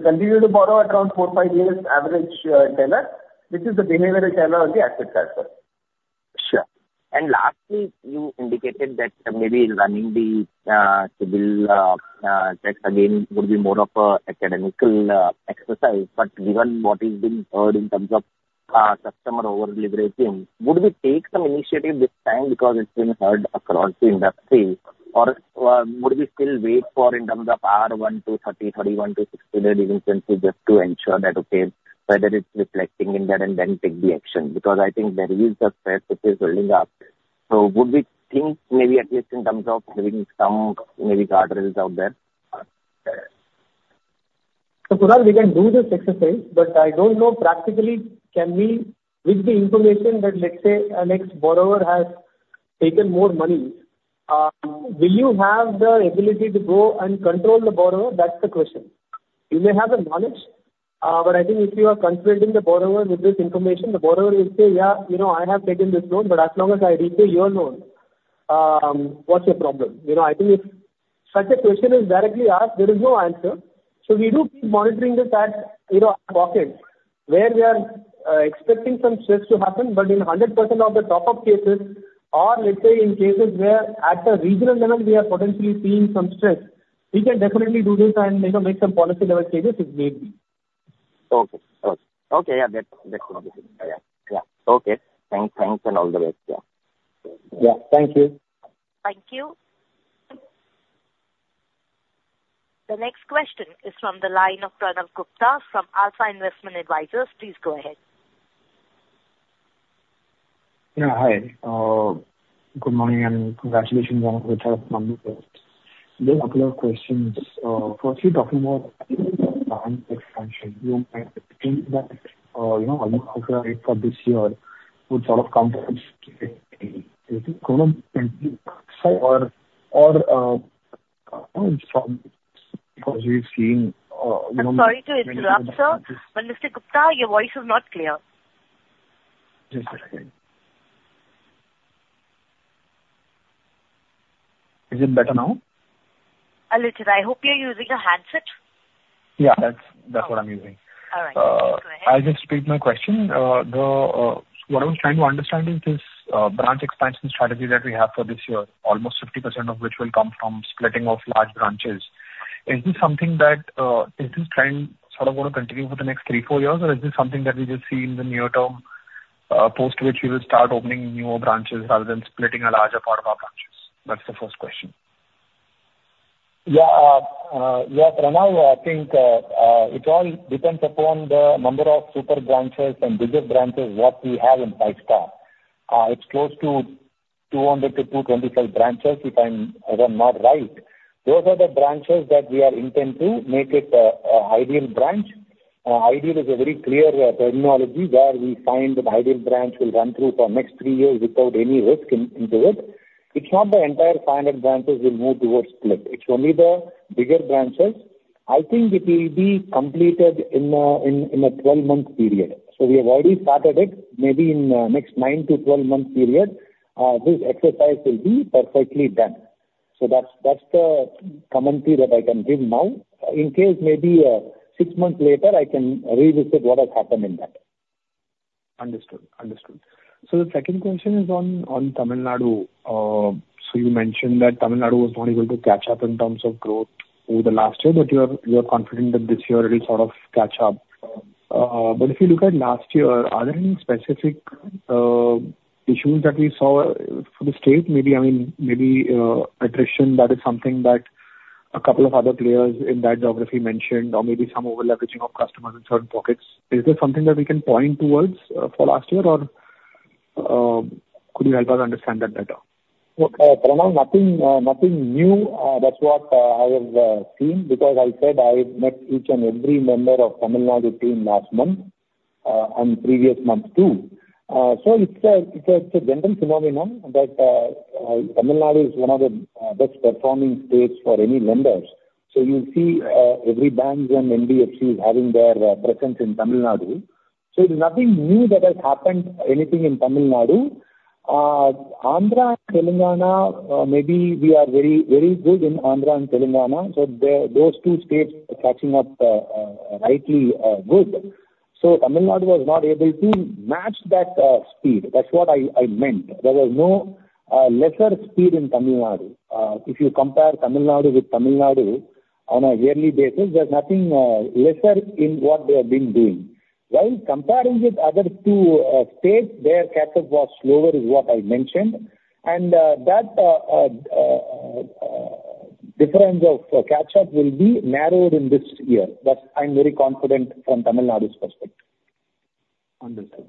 continue to borrow around 4-5 years average, tenor, which is the behavioral tenor of the asset side. Sure. And lastly, you indicated that maybe running the CIBIL check again would be more of an academic exercise. But given what is being heard in terms of customer over-leveraging, would we take some initiative this time because it's been heard across the industry? Or would we still wait in terms of our 1-30, 31-60-day delinquency just to ensure that, okay, whether it's reflecting in there and then take the action? Because I think there is a threat which is building up. So would we think maybe at least in terms of bringing some maybe guardrails out there? So Kunal, we can do this exercise, but I don't know practically, can we, with the information that, let's say, a next borrower has taken more money, will you have the ability to go and control the borrower? That's the question. You may have the knowledge, but I think if you are confronting the borrower with this information, the borrower will say, "Yeah, you know, I have taken this loan, but as long as I repay your loan."... what's your problem? You know, I think if such a question is directly asked, there is no answer. So we do keep monitoring this at, you know, our pocket, where we are expecting some stress to happen, but in 100% of the top-up cases, or let's say in cases where at the regional level we are potentially seeing some stress, we can definitely do this and, you know, make some policy-level changes if need be. Okay. Okay. Okay, yeah, that, that will be yeah. Yeah. Okay. Thanks, thanks, and all the best. Yeah. Yeah. Thank you. Thank you. The next question is from the line of Pranav Gupta from Alpha Investment Advisors. Please go ahead. Yeah, hi. Good morning, and congratulations on the third quarter. There are a couple of questions. First, you're talking about expansion. Do you think that, you know, for this year, with a lot of confidence, do you think or, we've seen, you know- I'm sorry to interrupt, sir, but Mr. Gupta, your voice is not clear. Just a second. Is it better now? A little. I hope you're using a handset? Yeah, that's, that's what I'm using. All right. Go ahead. I'll just repeat my question. The what I was trying to understand is this branch expansion strategy that we have for this year, almost 50% of which will come from splitting of large branches. Is this something that is this trend sort of going to continue for the next three, four years, or is this something that we just see in the near term, post which we will start opening newer branches rather than splitting a larger part of our branches? That's the first question. Yeah. Yeah, Pranav, I think, it all depends upon the number of super branches and bigger branches, what we have in Five Star. It's close to 200-225 branches, if I'm, if I'm not right. Those are the branches that we are intent to make it, a ideal branch. Ideal is a very clear, terminology where we find that the ideal branch will run through for next 3 years without any risk into it. It's not the entire 500 branches will move towards split. It's only the bigger branches. I think it will be completed in a, in, in a 12-month period. So we have already started it. Maybe in, next 9-12-month period, this exercise will be perfectly done. So that's, that's the commentary that I can give now. In case maybe, six months later, I can revisit what has happened in that. Understood. Understood. So the second question is on Tamil Nadu. So you mentioned that Tamil Nadu was not able to catch up in terms of growth over the last year, but you are confident that this year it will sort of catch up. But if you look at last year, are there any specific issues that we saw for the state? Maybe, I mean, maybe attrition, that is something that a couple of other players in that geography mentioned, or maybe some over-leveraging of customers in certain pockets. Is there something that we can point towards for last year? Or could you help us understand that better? Pranav, nothing, nothing new. That's what I have seen, because I said I met each and every member of Tamil Nadu team last month, and previous month, too. So it's a general phenomenon that, Tamil Nadu is one of the best performing states for any lenders. So you'll see, every banks and NBFC having their presence in Tamil Nadu. So it's nothing new that has happened, anything in Tamil Nadu. Andhra and Telangana, maybe we are very, very good in Andhra and Telangana, so those two states are catching up, rightly, good. So Tamil Nadu was not able to match that, speed. That's what I meant. There was no lesser speed in Tamil Nadu. If you compare Tamil Nadu with Tamil Nadu on a yearly basis, there's nothing lesser in what they have been doing. While comparing with other two states, their catch-up was slower, is what I mentioned, and that difference of catch-up will be narrowed in this year. That I'm very confident from Tamil Nadu's perspective. Understood.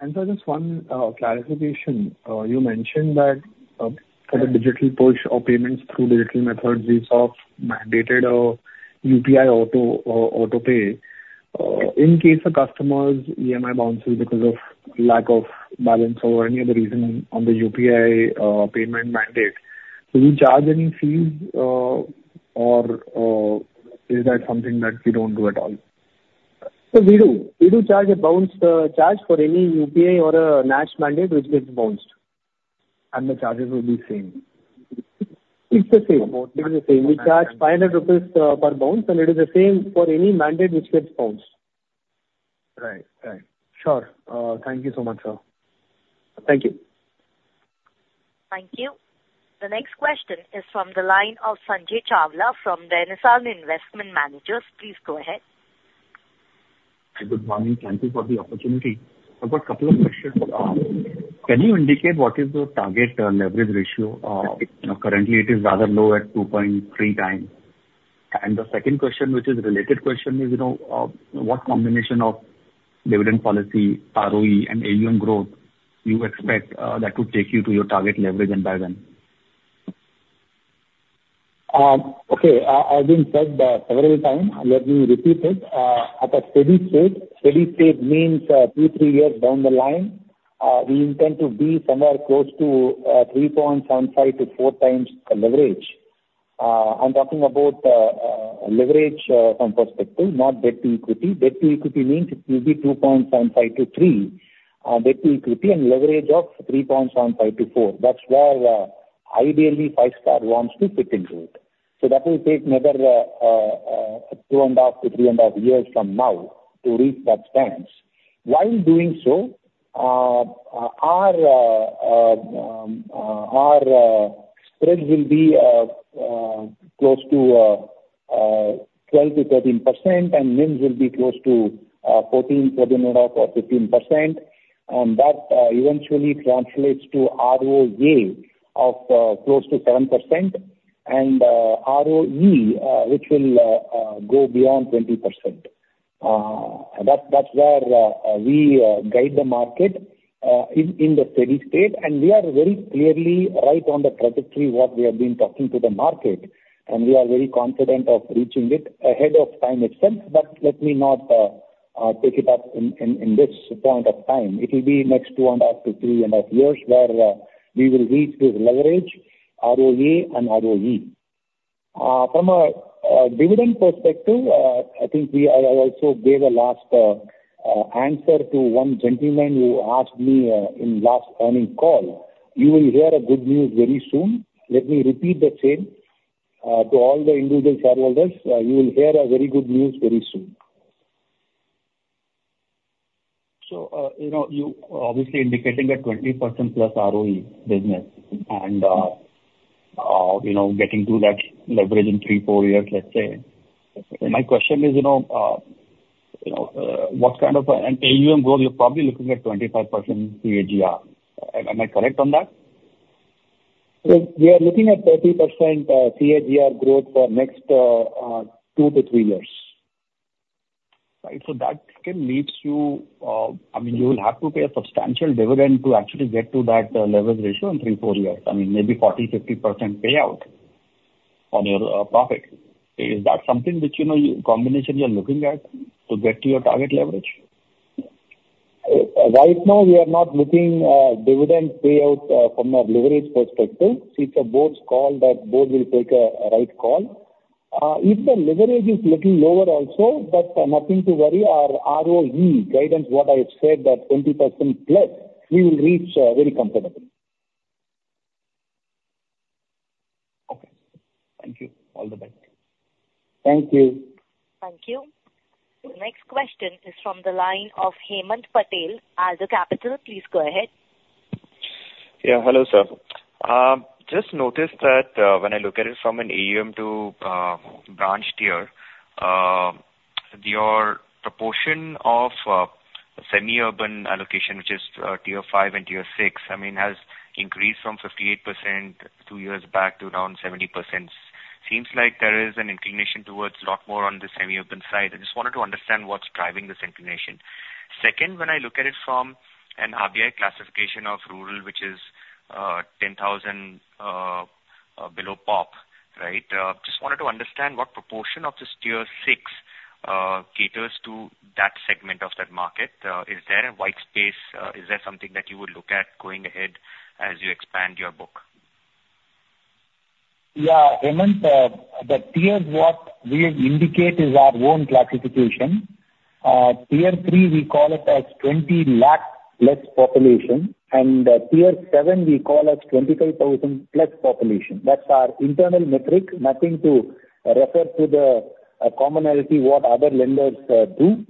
And sir, just one clarification. You mentioned that, for the digital push or payments through digital methods, we saw mandated, UPI Autopay. In case a customer's EMI bounces because of lack of balance or any other reason on the UPI payment mandate, do you charge any fees, or is that something that you don't do at all? We do. We do charge a bounce charge for any UPI or a NACH mandate which gets bounced. The charges will be same? It's the same. It is the same. We charge 500 rupees per bounce, and it is the same for any mandate which gets bounced. Right. Right. Sure. Thank you so much, sir. Thank you. Thank you. The next question is from the line of Sanjay Chawla from Renaissance Investment Managers. Please go ahead. Good morning. Thank you for the opportunity. I've got a couple of questions. Can you indicate what is the target leverage ratio? You know, currently it is rather low at 2.3 times. And the second question, which is related question, is, you know, what combination of dividend policy, ROA and AUM growth you expect that to take you to your target leverage and by when? Okay, as I said several times, let me repeat it. At a steady state, steady state means 2-3 years down the line, we intend to be somewhere close to 3.75-4 times the leverage. I'm talking about leverage from perspective, not debt to equity. Debt to equity means it will be 2.75-3 debt to equity, and leverage of 3.75-4. That's where ideally, Five Star wants to fit into it. So that will take another 2.5-3.5 years from now to reach that stance. While doing so, our spreads will be close to 12%-13%, and NIMs will be close to 14, 14.5, or 15%. And that eventually translates to ROA of close to 7% and ROA which will go beyond 20%. That's where we guide the market in the steady state. And we are very clearly right on the trajectory what we have been talking to the market, and we are very confident of reaching it ahead of time itself. But let me not take it up in this point of time. It will be next 2.5-3.5 years where we will reach this leverage, ROA and ROA. From a dividend perspective, I think we—I also gave a last answer to one gentleman who asked me in last earning call. You will hear a good news very soon. Let me repeat the same to all the individual shareholders. You will hear a very good news very soon. So, you know, you obviously indicating a 20%+ ROA business and, you know, getting to that leverage in 3-4 years, let's say. My question is, you know, you know, what kind of an AUM goal? You're probably looking at 25% CAGR. Am I correct on that? We are looking at 30% CAGR growth for next 2-3 years. Right. So that kind of leads you, I mean, you will have to pay a substantial dividend to actually get to that, leverage ratio in 3, 4 years. I mean, maybe 40%-50% payout on your, profit. Is that something which you know, combination you are looking at to get to your target leverage? Right now, we are not looking dividend payout from a leverage perspective. It's a board's call, that board will take a right call. If the leverage is little lower also, but nothing to worry, our ROA guidance, what I said, that 20% plus, we will reach very comfortably. Okay. Thank you. All the best. Thank you. Thank you. The next question is from the line of Hemant Patel, Alder Capital. Please go ahead. Yeah, hello, sir. Just noticed that when I look at it from an AUM to branch tier, your proportion of semi-urban allocation, which is tier five and tier six, I mean, has increased from 58% two years back to around 70%. Seems like there is an inclination towards a lot more on the semi-urban side. I just wanted to understand what's driving this inclination. Second, when I look at it from an RBI classification of rural, which is 10,000 below pop, right? Just wanted to understand what proportion of this tier six caters to that segment of that market. Is there a wide space? Is there something that you would look at going ahead as you expand your book? Yeah, Hemant, the tiers what we indicate is our own classification. Tier three, we call it as 20 lakh plus population, and tier seven we call as 25,000 plus population. That's our internal metric. Nothing to refer to the commonality, what other lenders do.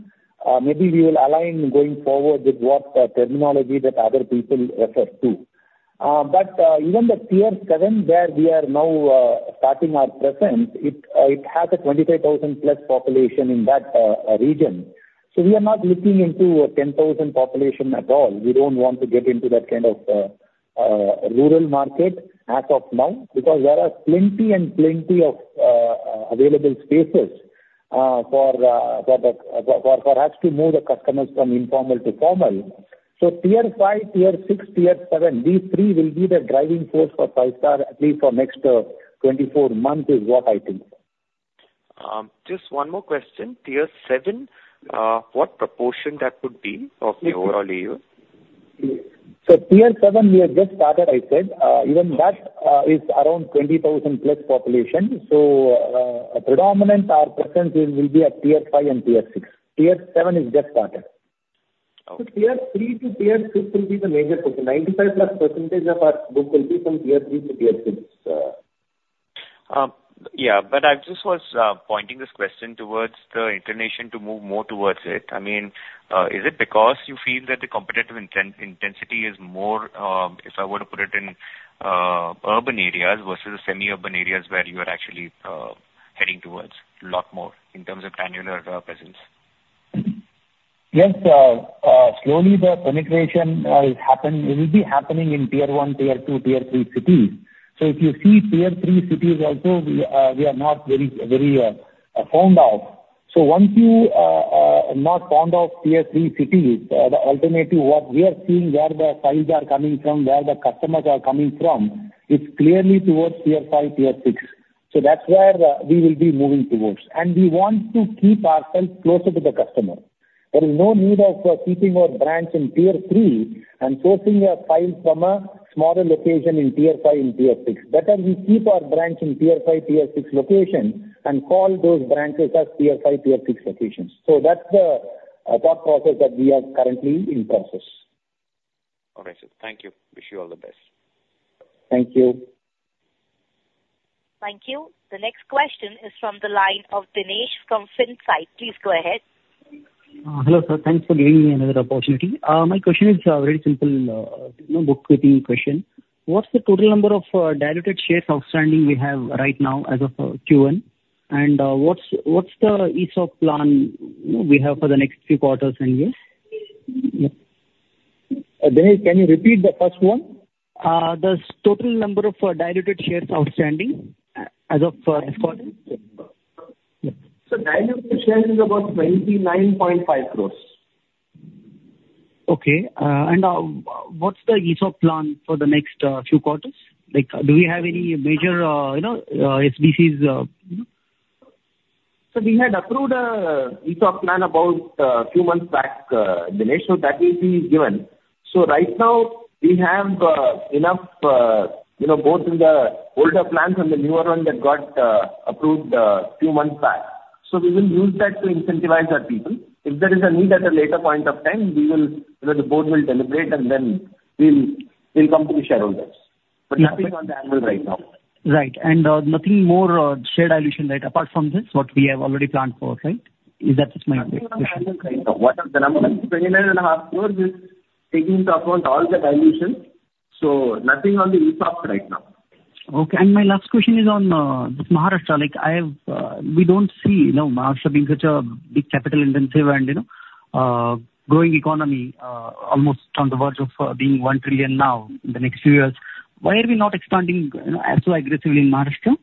Maybe we will align going forward with what terminology that other people refer to. But even the tier seven, where we are now starting our presence, it has a 25,000 plus population in that region. So we are not looking into a 10,000 population at all. We don't want to get into that kind of rural market as of now, because there are plenty and plenty of available spaces for us to move the customers from informal to formal. So tier five, tier six, tier seven, these three will be the driving force for Five Star, at least for next 24 months, is what I think. Just one more question. Tier seven, what proportion that could be of the overall AUM? So tier seven, we have just started, I said. Even that is around 20,000+ population, so predominant our presence will be at tier five and tier six. Tier seven is just started. Okay. So tier three to tier six will be the major portion. 95+% of our book will be from tier three to tier six. Yeah, but I just was pointing this question towards the inclination to move more towards it. I mean, is it because you feel that the competitive intensity is more, if I were to put it in urban areas versus semi-urban areas, where you are actually heading towards a lot more in terms of granular presence? Yes, slowly the penetration is happening. It will be happening in tier one, tier two, tier three cities. So if you see tier three cities also, we are not very, very fanned out. So once you not fanned out tier three cities, ultimately what we are seeing, where the files are coming from, where the customers are coming from, it's clearly towards tier five, tier six. So that's where we will be moving towards. And we want to keep ourselves closer to the customer... There is no need of keeping our branch in tier three and sourcing a file from a smaller location in tier five and tier six. Better we keep our branch in tier five, tier six location, and call those branches as tier five, tier six locations. So that's the thought process that we are currently in process. All right, sir. Thank you. Wish you all the best. Thank you. Thank you. The next question is from the line of Dinesh from Finsight. Please go ahead. Hello, sir. Thanks for giving me another opportunity. My question is very simple, you know, bookkeeping question. What's the total number of diluted shares outstanding we have right now as of Q1? And, what's the ESOP plan, you know, we have for the next few quarters and years? Dinesh, can you repeat the first one? The total number of diluted shares outstanding as of this quarter. Diluted shares is about 29.5 crores. Okay. And what's the ESOP plan for the next few quarters? Like, do we have any major, you know, SBCs... So we had approved ESOP plan about two months back, Dinesh, so that is being given. So right now we have enough, you know, both in the older plans and the newer one that got approved two months back. So we will use that to incentivize our people. If there is a need at a later point of time, we will, you know, the board will deliberate, and then we'll come to the shareholders. But nothing on the anvil right now. Right. And, nothing more, share dilution, right, apart from this, what we have already planned for, right? Is that is my question. What are the numbers? INR 29.5 crore is taking into account all the dilution, so nothing on the ESOP right now. Okay. And my last question is on Maharashtra. Like, I have, we don't see, you know, Maharashtra being such a big capital intensive and, you know, growing economy, almost on the verge of being $1 trillion now in the next few years. Why are we not expanding so aggressively in Maharashtra?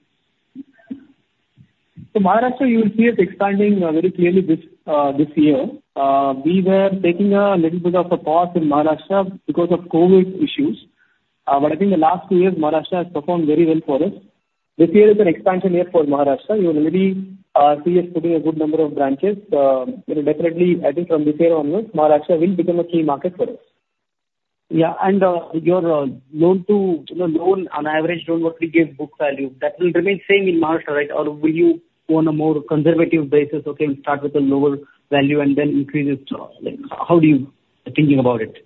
So, Maharashtra, you will see us expanding very clearly this year. We were taking a little bit of a pause in Maharashtra because of COVID issues. But I think the last two years, Maharashtra has performed very well for us. This year is an expansion year for Maharashtra. You will already see us putting a good number of branches. You know, definitely, I think from this year onwards, Maharashtra will become a key market for us. Yeah. And, your loan to, you know, loan, on average, loan what we give book value, that will remain same in Maharashtra, right? Or will you go on a more conservative basis, okay, and start with a lower value and then increase it? Like, how do you thinking about it?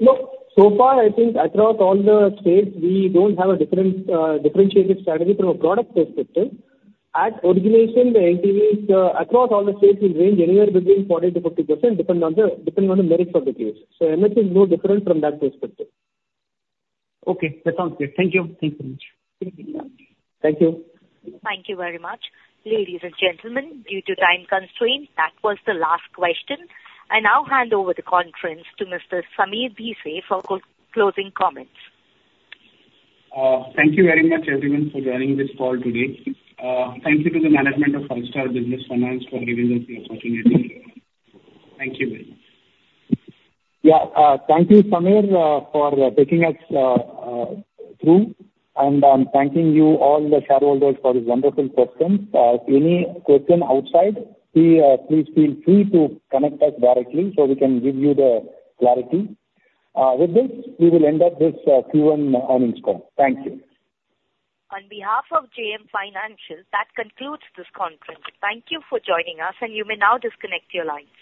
Look, so far, I think across all the states, we don't have a different, differentiated strategy from a product perspective. At origination, the LTVs, across all the states will range anywhere between 40%-50%, depending on the merits of the case. So Maharashtra is no different from that perspective. Okay. That sounds great. Thank you. Thank you so much. Thank you. Thank you very much. Ladies and gentlemen, due to time constraints, that was the last question. I now hand over the conference to Mr. Sameer Bhise for closing comments. Thank you very much, everyone, for joining this call today. Thank you to the management of Five Star Business Finance for giving us the opportunity. Thank you very much. Yeah. Thank you, Sameer, for taking us through. I'm thanking you, all the shareholders, for these wonderful questions. Any question outside, please feel free to connect us directly so we can give you the clarity. With this, we will end up this Q1 earnings call. Thank you. On behalf of JM Financial, that concludes this conference. Thank you for joining us, and you may now disconnect your lines.